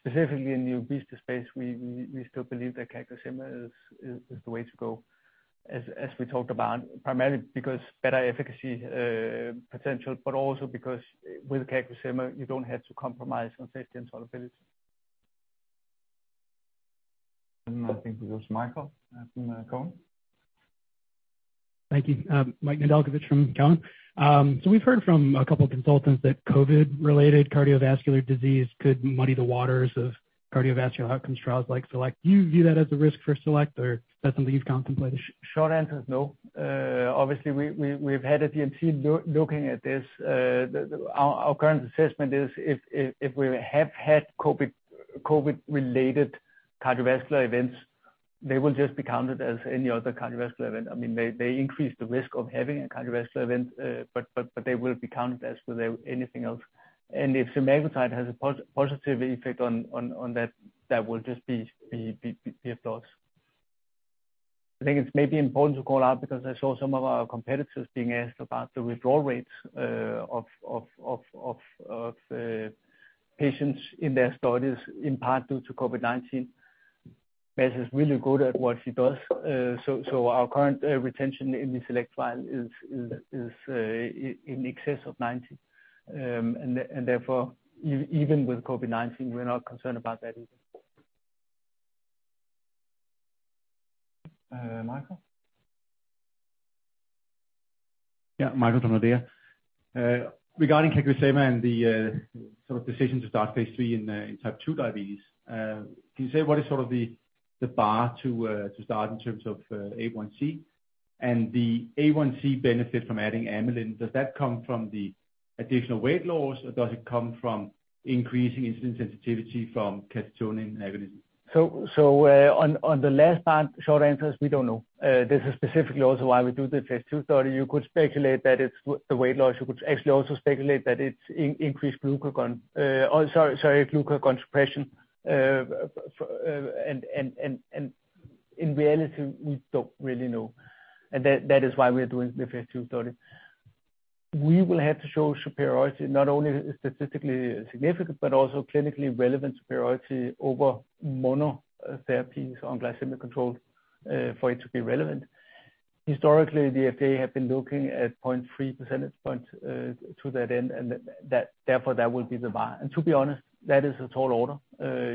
specifically in the obesity space, we still believe that CagriSema is the way to go, as we talked about, primarily because better efficacy potential, but also because with CagriSema you don't have to compromise on safety and solubility. I think it was Michael from TD Cowen.
Thank you. Michael Nedelcovych from TD Cowen. We've heard from a couple consultants that COVID-related cardiovascular disease could muddy the waters of cardiovascular outcomes trials like SELECT. Do you view that as a risk for SELECT, or is that something you've contemplated?
Short answer is no. Obviously we've had a DMC looking at this. Our current assessment is if we have had COVID-related cardiovascular events, they will just be counted as any other cardiovascular event. I mean, they increase the risk of having a cardiovascular event, but they will be counted as would anything else. If semaglutide has a positive effect on that will just be a plus. I think it's maybe important to call out because I saw some of our competitors being asked about the withdrawal rates of patients in their studies, in part due to COVID-19. Bas is really good at what he does. Our current retention in the SELECT trial is in excess of 90. Therefore even with COVID-19, we're not concerned about that either.
Michael?
Yeah, Michael Novod. Regarding CagriSema and the sort of decision to start phase III in type 2 diabetes, can you say what is sort of the bar to start in terms of A1C? And the A1C benefit from adding amylin, does that come from the additional weight loss, or does it come from increasing insulin sensitivity from amylin agonist?
On the last part, short answer is we don't know. This is specifically also why we do the phase II study. You could speculate that it's the weight loss. You could actually also speculate that it's glucagon suppression. And in reality, we don't really know. That is why we are doing the phase II study. We will have to show superiority, not only statistically significant, but also clinically relevant superiority over monotherapies on glycemic control for it to be relevant. Historically, the FDA have been looking at 0.3 percentage points to that end, and therefore that will be the bar. To be honest, that is a tall order.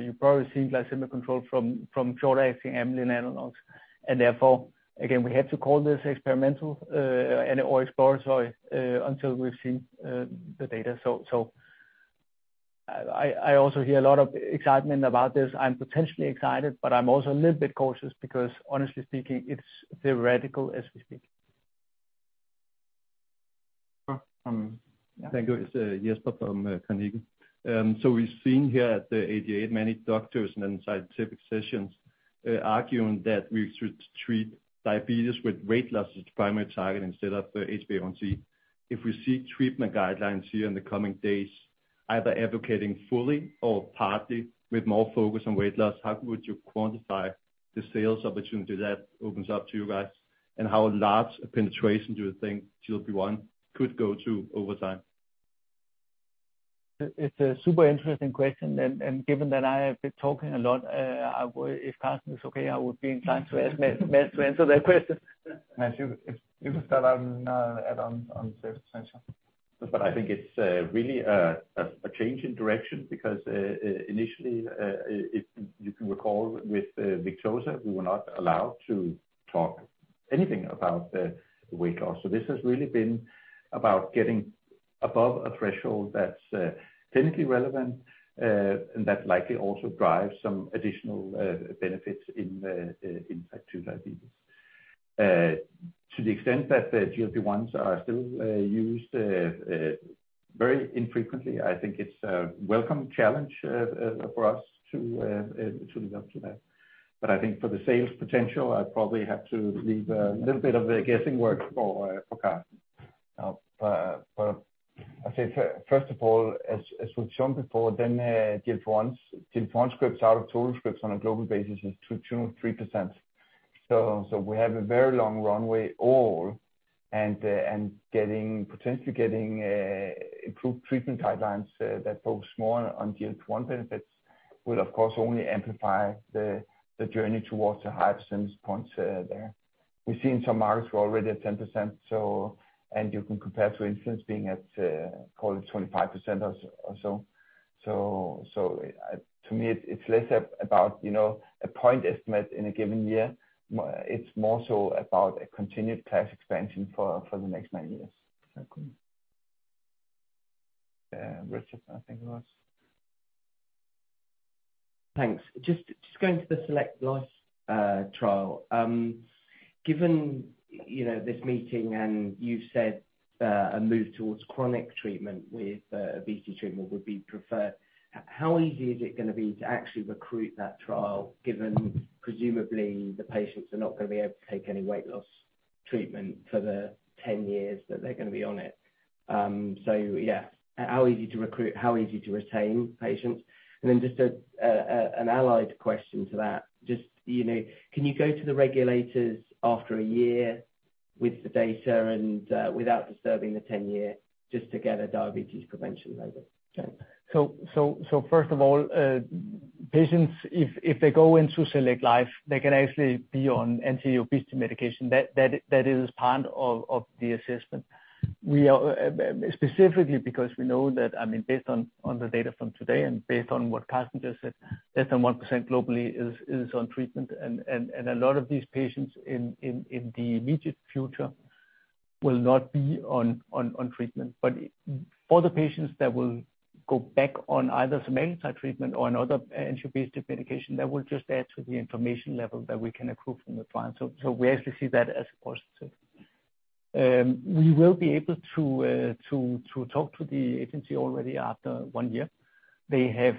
You probably see glycemic control from short-acting amylin analogs, and therefore, again, we have to call this experimental and/or exploratory until we've seen the data. I also hear a lot of excitement about this. I'm potentially excited, but I'm also a little bit cautious because honestly speaking, it's theoretical as we speak.
Yeah.
Thank you. It's Jesper from Carnegie. We've seen here at the ADA many doctors and in scientific sessions arguing that we should treat diabetes with weight loss as a primary target instead of HbA1c. If we see treatment guidelines here in the coming days, either advocating fully or partly with more focus on weight loss, how would you quantify the sales opportunity that opens up to you guys, and how large a penetration do you think GLP-1 could go to over time?
It's a super interesting question, and given that I have been talking a lot, I would, if Karsten is okay, I would be inclined to ask Matt to answer that question.
Matt, if you could start on add-on sales potential.
I think it's really a change in direction because initially, if you can recall with Victoza, we were not allowed to talk anything about weight loss. This has really been about getting above a threshold that's clinically relevant, and that likely also drives some additional in type 2 diabetes. To the extent that the GLP-1s are still used very infrequently, I think it's a welcome challenge for us to live up to that. I think for the sales potential, I probably have to leave a little bit of the guessing work for Karsten.
I'd say first of all, as we've shown before, GLP-1 scripts out of total scripts on a global basis is 2% or 3%. So we have a very long runway all, and potentially getting improved treatment guidelines that focus more on GLP-1 benefits will of course only amplify the journey towards the highest sales points there. We've seen some markets we're already at 10%, so you can compare for instance being at, call it 25% or so. So to me it's less about, you know, a point estimate in a given year. More, it's more so about a continued class expansion for the next nine years.
Richard, I think it was.
Thanks. Just going to the SELECT-LIFE trial. Given this meeting and you've said a move towards chronic treatment with obesity treatment would be preferred, how easy is it gonna be to actually recruit that trial, given presumably the patients are not gonna be able to take any weight loss treatment for the 10 years that they're gonna be on it? So yeah, how easy to recruit? How easy to retain patients? And then just an allied question to that. Just, you know, can you go to the regulators after a year with the data and without disturbing the 10-year, just to get a diabetes prevention label?
First of all, patients, if they go into SELECT-LIFE, they can actually be on anti-obesity medication. That is part of the assessment. We are specifically because we know that, I mean, based on the data from today and based on what Kasper just said, less than 1% globally is on treatment. A lot of these patients in the immediate future will not be on treatment. For the patients that will go back on either semaglutide treatment or another anti-obesity medication, that will just add to the information level that we can accrue from the trial. We actually see that as positive. We will be able to talk to the agency already after one year. They have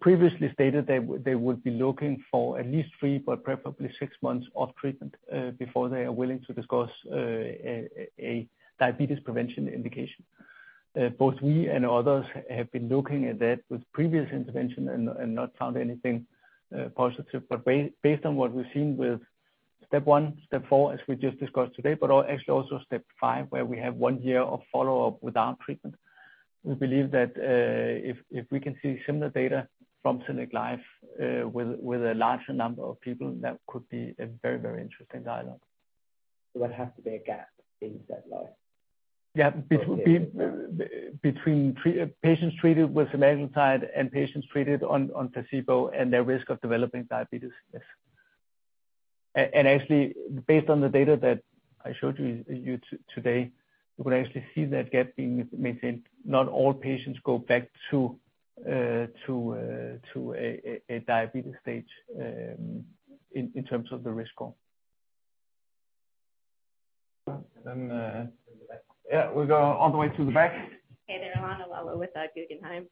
previously stated they would be looking for at least three but preferably six months of treatment before they are willing to discuss a diabetes prevention indication. Both we and others have been looking at that with previous intervention and not found anything positive. Based on what we've seen with STEP 1, STEP 4, as we just discussed today, but actually also STEP 5, where we have one year of follow-up without treatment. We believe that if we can see similar data from SELECT-LIFE with a larger number of people, that could be a very interesting dialogue.
There would have to be a gap in SELECT-LIFE?
Yeah. Between patients treated with semaglutide and patients treated on placebo, and their risk of developing diabetes, yes. Actually, based on the data that I showed you today, you could actually see that gap being maintained. Not all patients go back to a diabetes stage in terms of the risk score.
And, uh-
Yeah, we'll go all the way to the back.
Hey there. Seamus Fernandez with Guggenheim.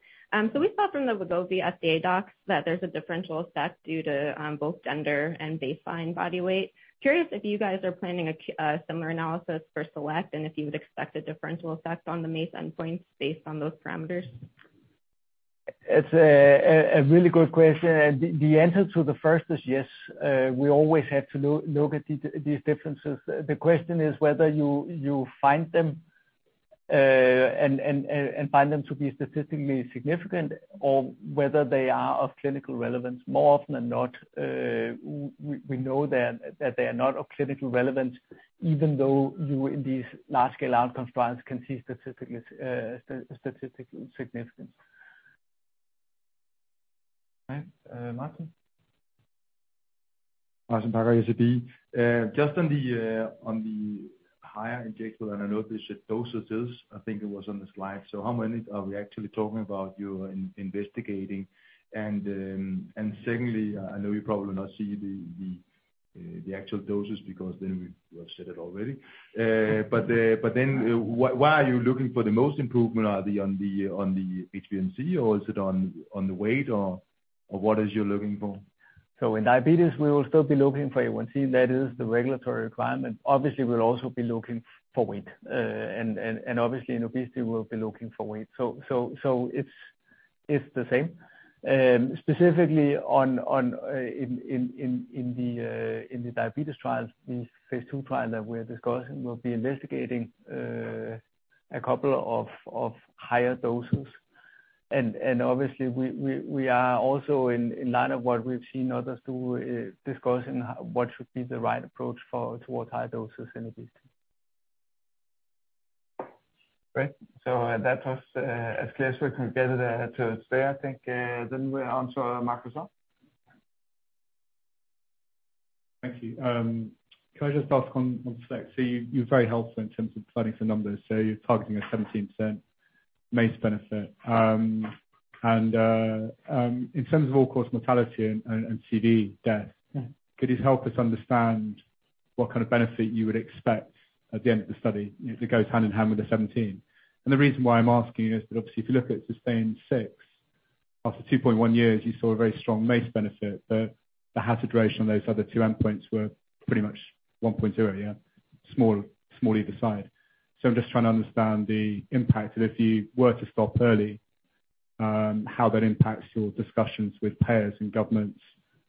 We saw from the Wegovy FDA docs that there's a differential effect due to both gender and baseline body weight. Curious if you guys are planning a similar analysis for SELECT, and if you would expect a differential effect on the main endpoints based on those parameters?
It's a really good question, and the answer to the first is yes. We always have to look at these differences. The question is whether you find them to be statistically significant, or whether they are of clinical relevance. More often than not, we know that they are not of clinical relevance, even though you in these large-scale outcome trials can see statistical significance. All right. Martin?
Martin Parkhøi, SEB. Just on the higher injectable and I know there's doses, I think it was on the slide. How many are we actually talking about you investigating? Secondly, I know you probably will not see the actual doses because then we've said it already. Why are you looking for the most improvement? Are they on the HbA1c or is it on the weight or what is it you're looking for?
In diabetes we will still be looking for A1C. That is the regulatory requirement. Obviously we'll also be looking for weight. And obviously in obesity we'll be looking for weight. It's the same. Specifically on in the diabetes trials, the phase II trial that we're discussing, we'll be investigating a couple of higher doses. Obviously we are also in light of what we've seen others do, discussing what should be the right approach towards higher doses in obesity.
Great. That was as clear as we can get it to stay, I think. We answer Marcus.
Thank you. Can I just ask on SELECT? You're very helpful in terms of providing some numbers. You're targeting a 17% MACE benefit. In terms of all-cause mortality and CV death-
Yeah.
Could you help us understand what kind of benefit you would expect at the end of the study, if it goes hand in hand with the 17? The reason why I'm asking is that obviously if you look at SUSTAIN 6, after 2.1 years you saw a very strong MACE benefit, but the hazard ratio on those other two endpoints were pretty much 1.0, yeah? Small either side. I'm just trying to understand the impact if you were to stop early, how that impacts your discussions with payers and governments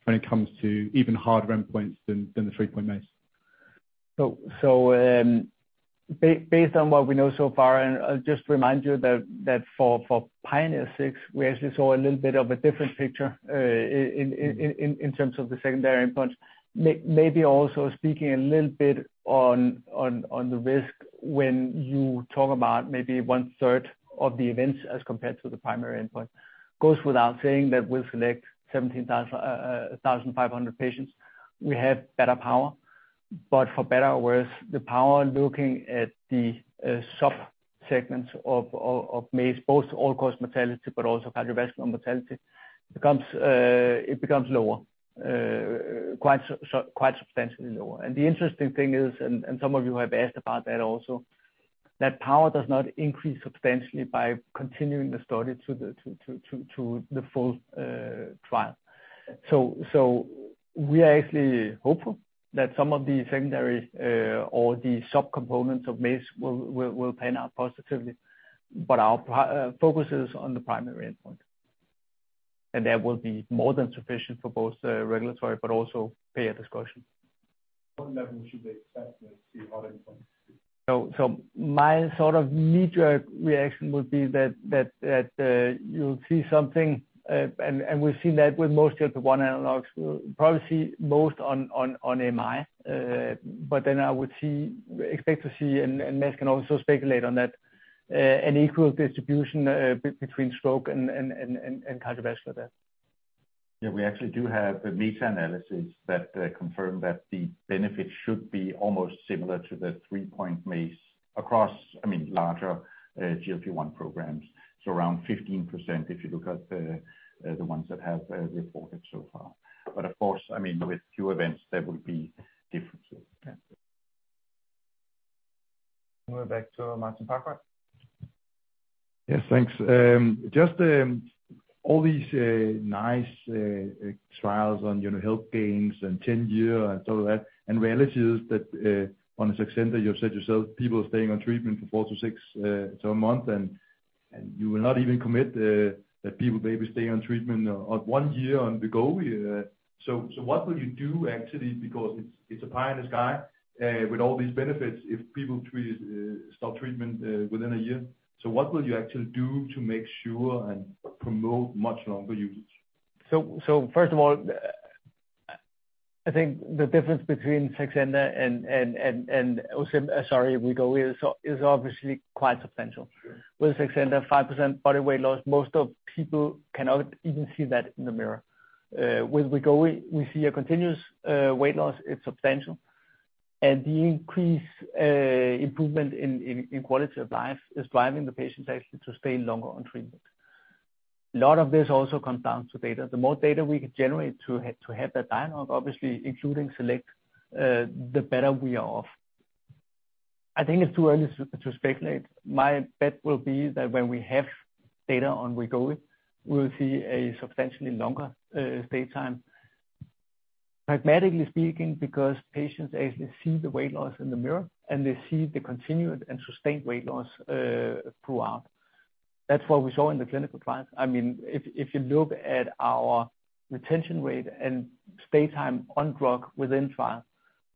when it comes to even harder endpoints than the 3.8.
Based on what we know so far, I'll just remind you that for PIONEER 6, we actually saw a little bit of a different picture in terms of the secondary endpoints. Maybe also speaking a little bit on the risk when you talk about maybe one-third of the events as compared to the primary endpoint. Goes without saying that we'll select 75,000 patients. We have better power, but for better or worse, the power looking at the subsegments of MACE, both all-cause mortality but also cardiovascular mortality becomes lower, quite substantially lower. The interesting thing is, and some of you have asked about that also, that power does not increase substantially by continuing the study to the full trial. So we are actually hopeful that some of the secondary or the sub-components of MACE will pan out positively. But our primary focus is on the primary endpoint. That will be more than sufficient for both regulatory but also peer discussion.
What level should they expect to see hard endpoints?
My sort of knee-jerk reaction would be that you'll see something, and we've seen that with most of the GLP-1 analogs, probably see most on MI. But then I would expect to see, and Mads can also speculate on that, an equal distribution between stroke and cardiovascular death.
Yeah, we actually do have the meta-analysis that confirm that the benefit should be almost similar to the 3-point MACE across, I mean, larger GLP-1 programs. Around 15% if you look at the ones that have reported so far. Of course, I mean, with few events there will be differences. Yeah.
We're back to Martin Holst Lange.
Yes, thanks. Just all these nice trials on, you know, health gains and tenure, in reality is that on Saxenda you've said yourself, people are staying on treatment for four to six months, and you will not even commit that people maybe stay on treatment for 1 year on Wegovy. What will you do actually because it's a pie in the sky with all these benefits if people just stop treatment within a year? What will you actually do to make sure and promote much longer usage?
First of all, I think the difference between Saxenda and Wegovy is obviously quite substantial.
Sure.
With Saxenda, 5% body weight loss, most of people cannot even see that in the mirror. With Wegovy, we see a continuous weight loss, it's substantial. The increase, improvement in quality of life is driving the patients actually to stay longer on treatment. A lot of this also comes down to data. The more data we can generate to have that dialogue, obviously including SELECT, the better we are off. I think it's too early to speculate. My bet will be that when we have data on Wegovy, we will see a substantially longer stay time. Pragmatically speaking, because patients actually see the weight loss in the mirror, and they see the continued and sustained weight loss throughout. That's what we saw in the clinical trials. I mean, if you look at our retention rate and stay time on drug within trials,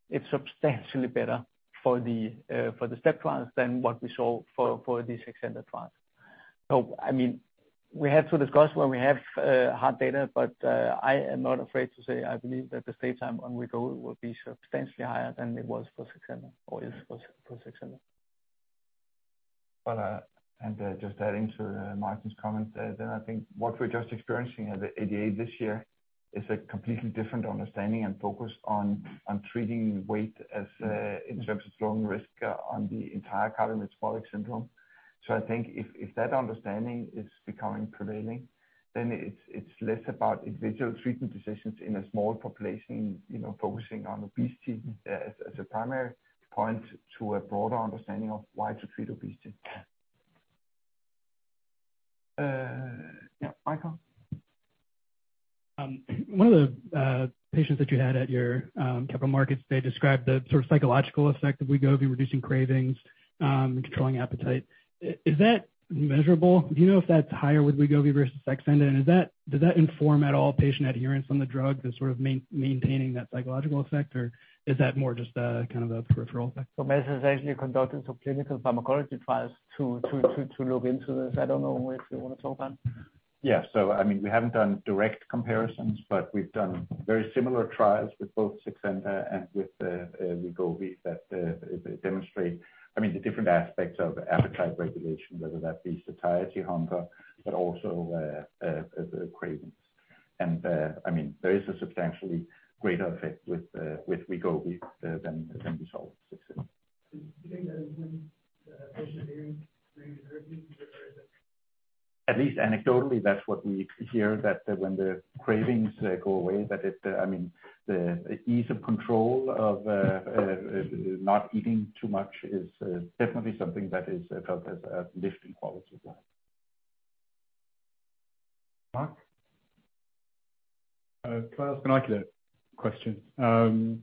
it's substantially better for the STEP trials than what we saw for the Saxenda trials. I mean, we have to discuss when we have hard data, but I am not afraid to say I believe that the stay time on Wegovy will be substantially higher than it was for Saxenda, or is for Saxenda.
Just adding to Martin's comment there, I think what we're just experiencing at the ADA this year is a completely different understanding and focus on treating weight as a in terms of slowing risk on the entire cardio-metabolic syndrome. I think if that understanding is becoming prevailing, then it's less about individual treatment decisions in a small population, you know, focusing on obesity as a primary point to a broader understanding of why to treat obesity.
Yeah, Michael?
One of the patients that you had at your Capital Markets Day described the sort of psychological effect of Wegovy, reducing cravings, and controlling appetite. Is that measurable? Do you know if that's higher with Wegovy versus Saxenda? Is that, does that inform at all patient adherence on the drug, the sort of maintaining that psychological effect, or is that more just a kind of a peripheral effect?
Mads has actually conducted some clinical pharmacology trials to look into this. I don't know if you wanna talk, Mads.
Yeah. I mean, we haven't done direct comparisons, but we've done very similar trials with both Saxenda and with Wegovy that demonstrate, I mean, the different aspects of appetite regulation, whether that be satiety, hunger, but also cravings. I mean, there is a substantially greater effect with Wegovy than we saw with Saxenda.
Do you think that is when patient adherence remains?
At least anecdotally, that's what we hear, that when the cravings go away, that it, I mean, the ease of control of not eating too much is definitely something that is felt as a lift in quality of life.
Mark?
Can I ask an icodec question?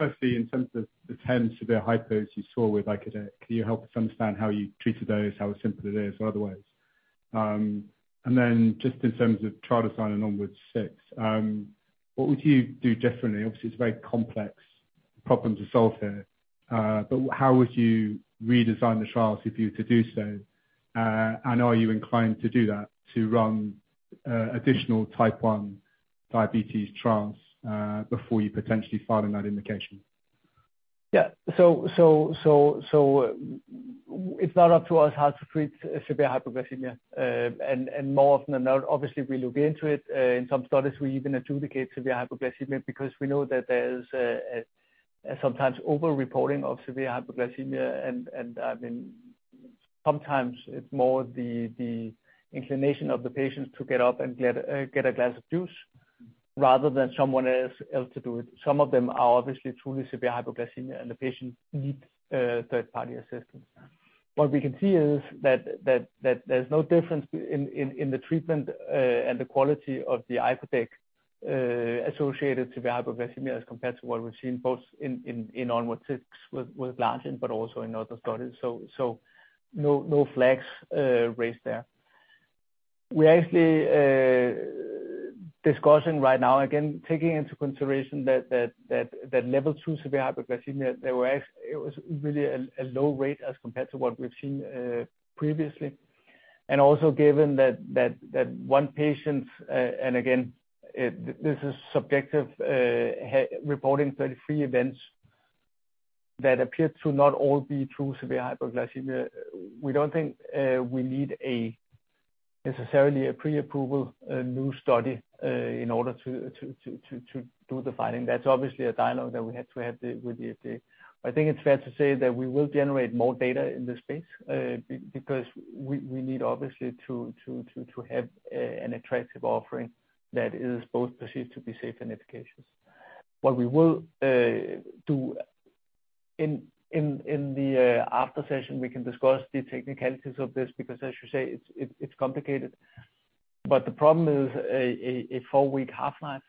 Firstly, in terms of the 10 severe hypos you saw with icodec, can you help us understand how you treated those, how simple it is, or otherwise? Then just in terms of trial design and ONWARDS 6, what would you do differently? Obviously, it's a very complex problem to solve here. How would you redesign the trials if you were to do so? Are you inclined to do that, to run additional type 1 diabetes trials before you potentially file in that indication?
It's not up to us how to treat severe hypoglycemia. More often than not, obviously we look into it. In some studies, we even adjudicate severe hypoglycemia because we know that there is sometimes over-reporting of severe hypoglycemia. Sometimes it's more the inclination of the patient to get up and get a glass of juice rather than someone else to do it. Some of them are obviously truly severe hypoglycemia, and the patient needs third-party assistance. What we can see is that there's no difference in the treatment and the quality of the icodec associated severe hypoglycemia as compared to what we've seen both in ONWARDS 6 with glargine but also in other studies. No flags raised there. We're actually discussing right now, again, taking into consideration that level two severe hypoglycemia, there was really a low rate as compared to what we've seen previously. Also given that one patient, and again, this is subjective, reporting 33 events that appeared to not all be true severe hypoglycemia. We don't think we need necessarily a pre-approval new study in order to do the filing. That's obviously a dialogue that we had to have with the FDA. I think it's fair to say that we will generate more data in this space, because we need obviously to have an attractive offering that is both perceived to be safe and efficacious. What we will do in the after session, we can discuss the technicalities of this because as you say, it's complicated. The problem is a four-week half-life,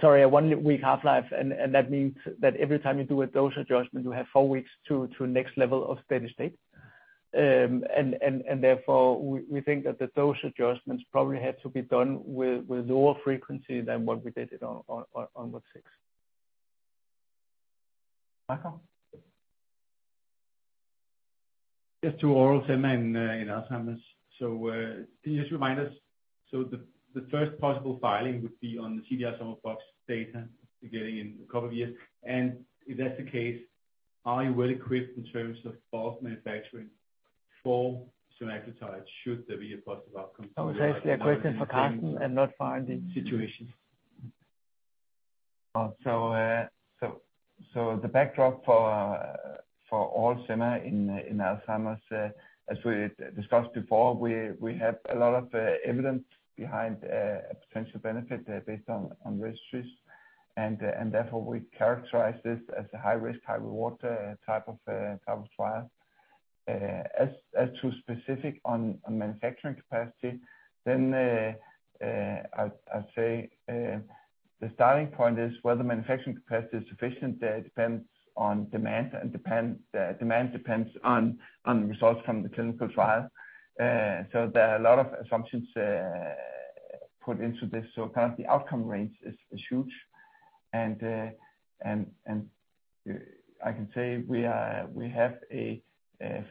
sorry, a one-week half-life and that means that every time you do a dose adjustment, you have four weeks to next level of steady state. Therefore we think that the dose adjustments probably had to be done with lower frequency than what we did it on ONWARDS 6. Michael?
Just to oral semaglutide in Alzheimer's. Can you just remind us, the first possible filing would be on the CDR-SB data you're getting in a couple of years, and if that's the case, are you well-equipped in terms of both manufacturing for semaglutide should there be a possible outcome from the-
That was actually a question for Karsten and not for Andy.
-situation.
The backdrop for all semaglutide in Alzheimer's, as we discussed before, we have a lot of evidence behind a potential benefit based on registries. Therefore, we characterize this as a high risk, high reward type of trial. As to specifics on manufacturing capacity, then I'd say the starting point is whether manufacturing capacity is sufficient. It depends on demand and demand depends on the results from the clinical trial. There are a lot of assumptions put into this. Currently outcome range is huge. I can say we have a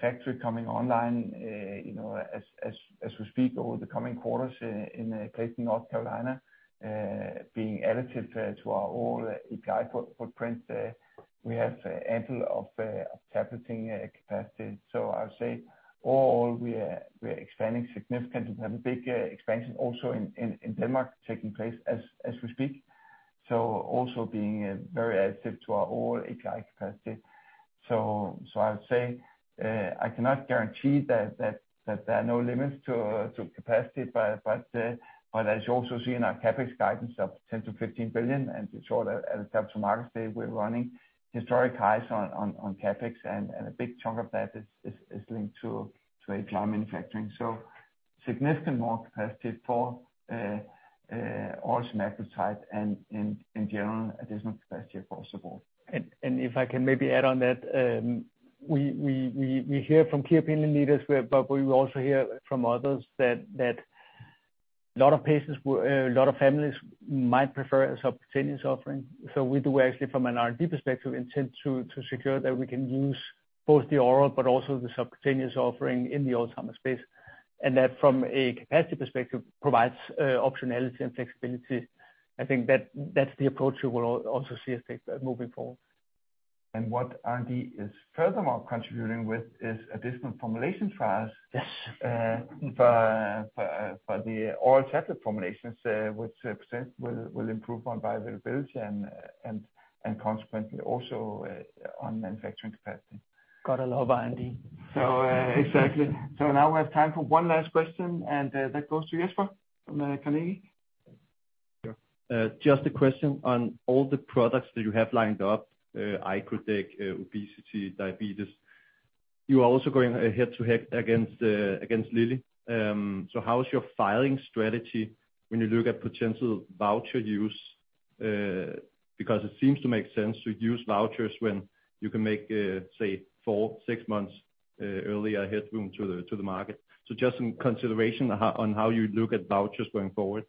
factory coming online, you know, as we speak over the coming quarters in a place in North Carolina, being additive to our oral API footprint. We have ample tableting capacity. I'll say we are expanding significantly. We have a big expansion also in Denmark taking place as we speak, so also being very additive to our oral API capacity. I would say I cannot guarantee that there are no limits to capacity, but as you also see in our CapEx guidance of 10-15 billion, and you saw that at the Capital Markets Day, we're running historic highs on CapEx, and a big chunk of that is linked to API manufacturing. Significantly more capacity for oral semaglutide and in general, additional capacity for support.
If I can maybe add on that, we hear from key opinion leaders, but we also hear from others that a lot of patients, a lot of families might prefer a subcutaneous offering. We do actually from an R&D perspective intend to secure that we can use both the oral but also the subcutaneous offering in the Alzheimer's space. That from a capacity perspective provides optionality and flexibility. I think that that's the approach you will also see us take moving forward.
What R&D is furthermore contributing with is additional formulation trials.
Yes.
For the oral tablet formulations, which potentially will improve on bioavailability and consequently also on manufacturing capacity.
Got to love R&D.
Exactly. Now we have time for one last question, and that goes to Jesper from Carnegie.
Yeah. Just a question on all the products that you have lined up, icodec, obesity, diabetes. You are also going head to head against Eli Lilly. So how is your filing strategy when you look at potential voucher use? Because it seems to make sense to use vouchers when you can make, say four, six months, earlier headroom to the market. Just some consideration on how you look at vouchers going forward.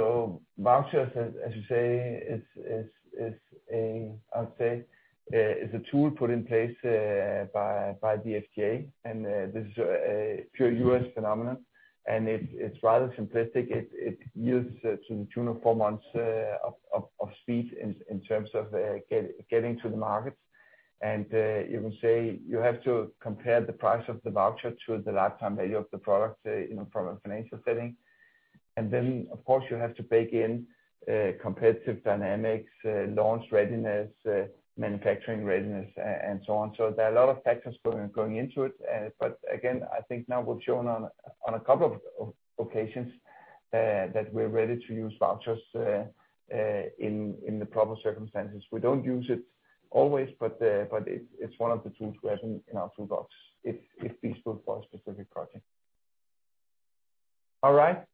Vouchers, as you say, is a tool put in place by the FDA. This is a pure U.S. phenomenon, and it's rather simplistic. It yields to the tune of four months of speed in terms of getting to the markets. You can say you have to compare the price of the voucher to the lifetime value of the product, you know, from a financial setting. Of course, you have to bake in competitive dynamics, launch readiness, manufacturing readiness, and so on. There are a lot of factors going into it. I think now we've shown on a couple of occasions that we're ready to use vouchers in the proper circumstances. We don't use it always, but it's one of the tools we have in our toolbox if feasible for a specific project. All right.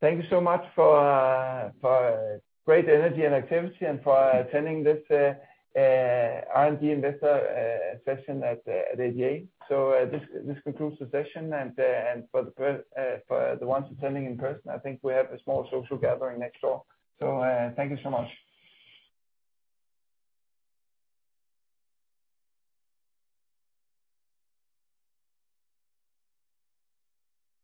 Thank you so much for great energy and activity and for attending this R&D investor session at ADA. This concludes the session. For the ones attending in person, I think we have a small social gathering next door. Thank you so much.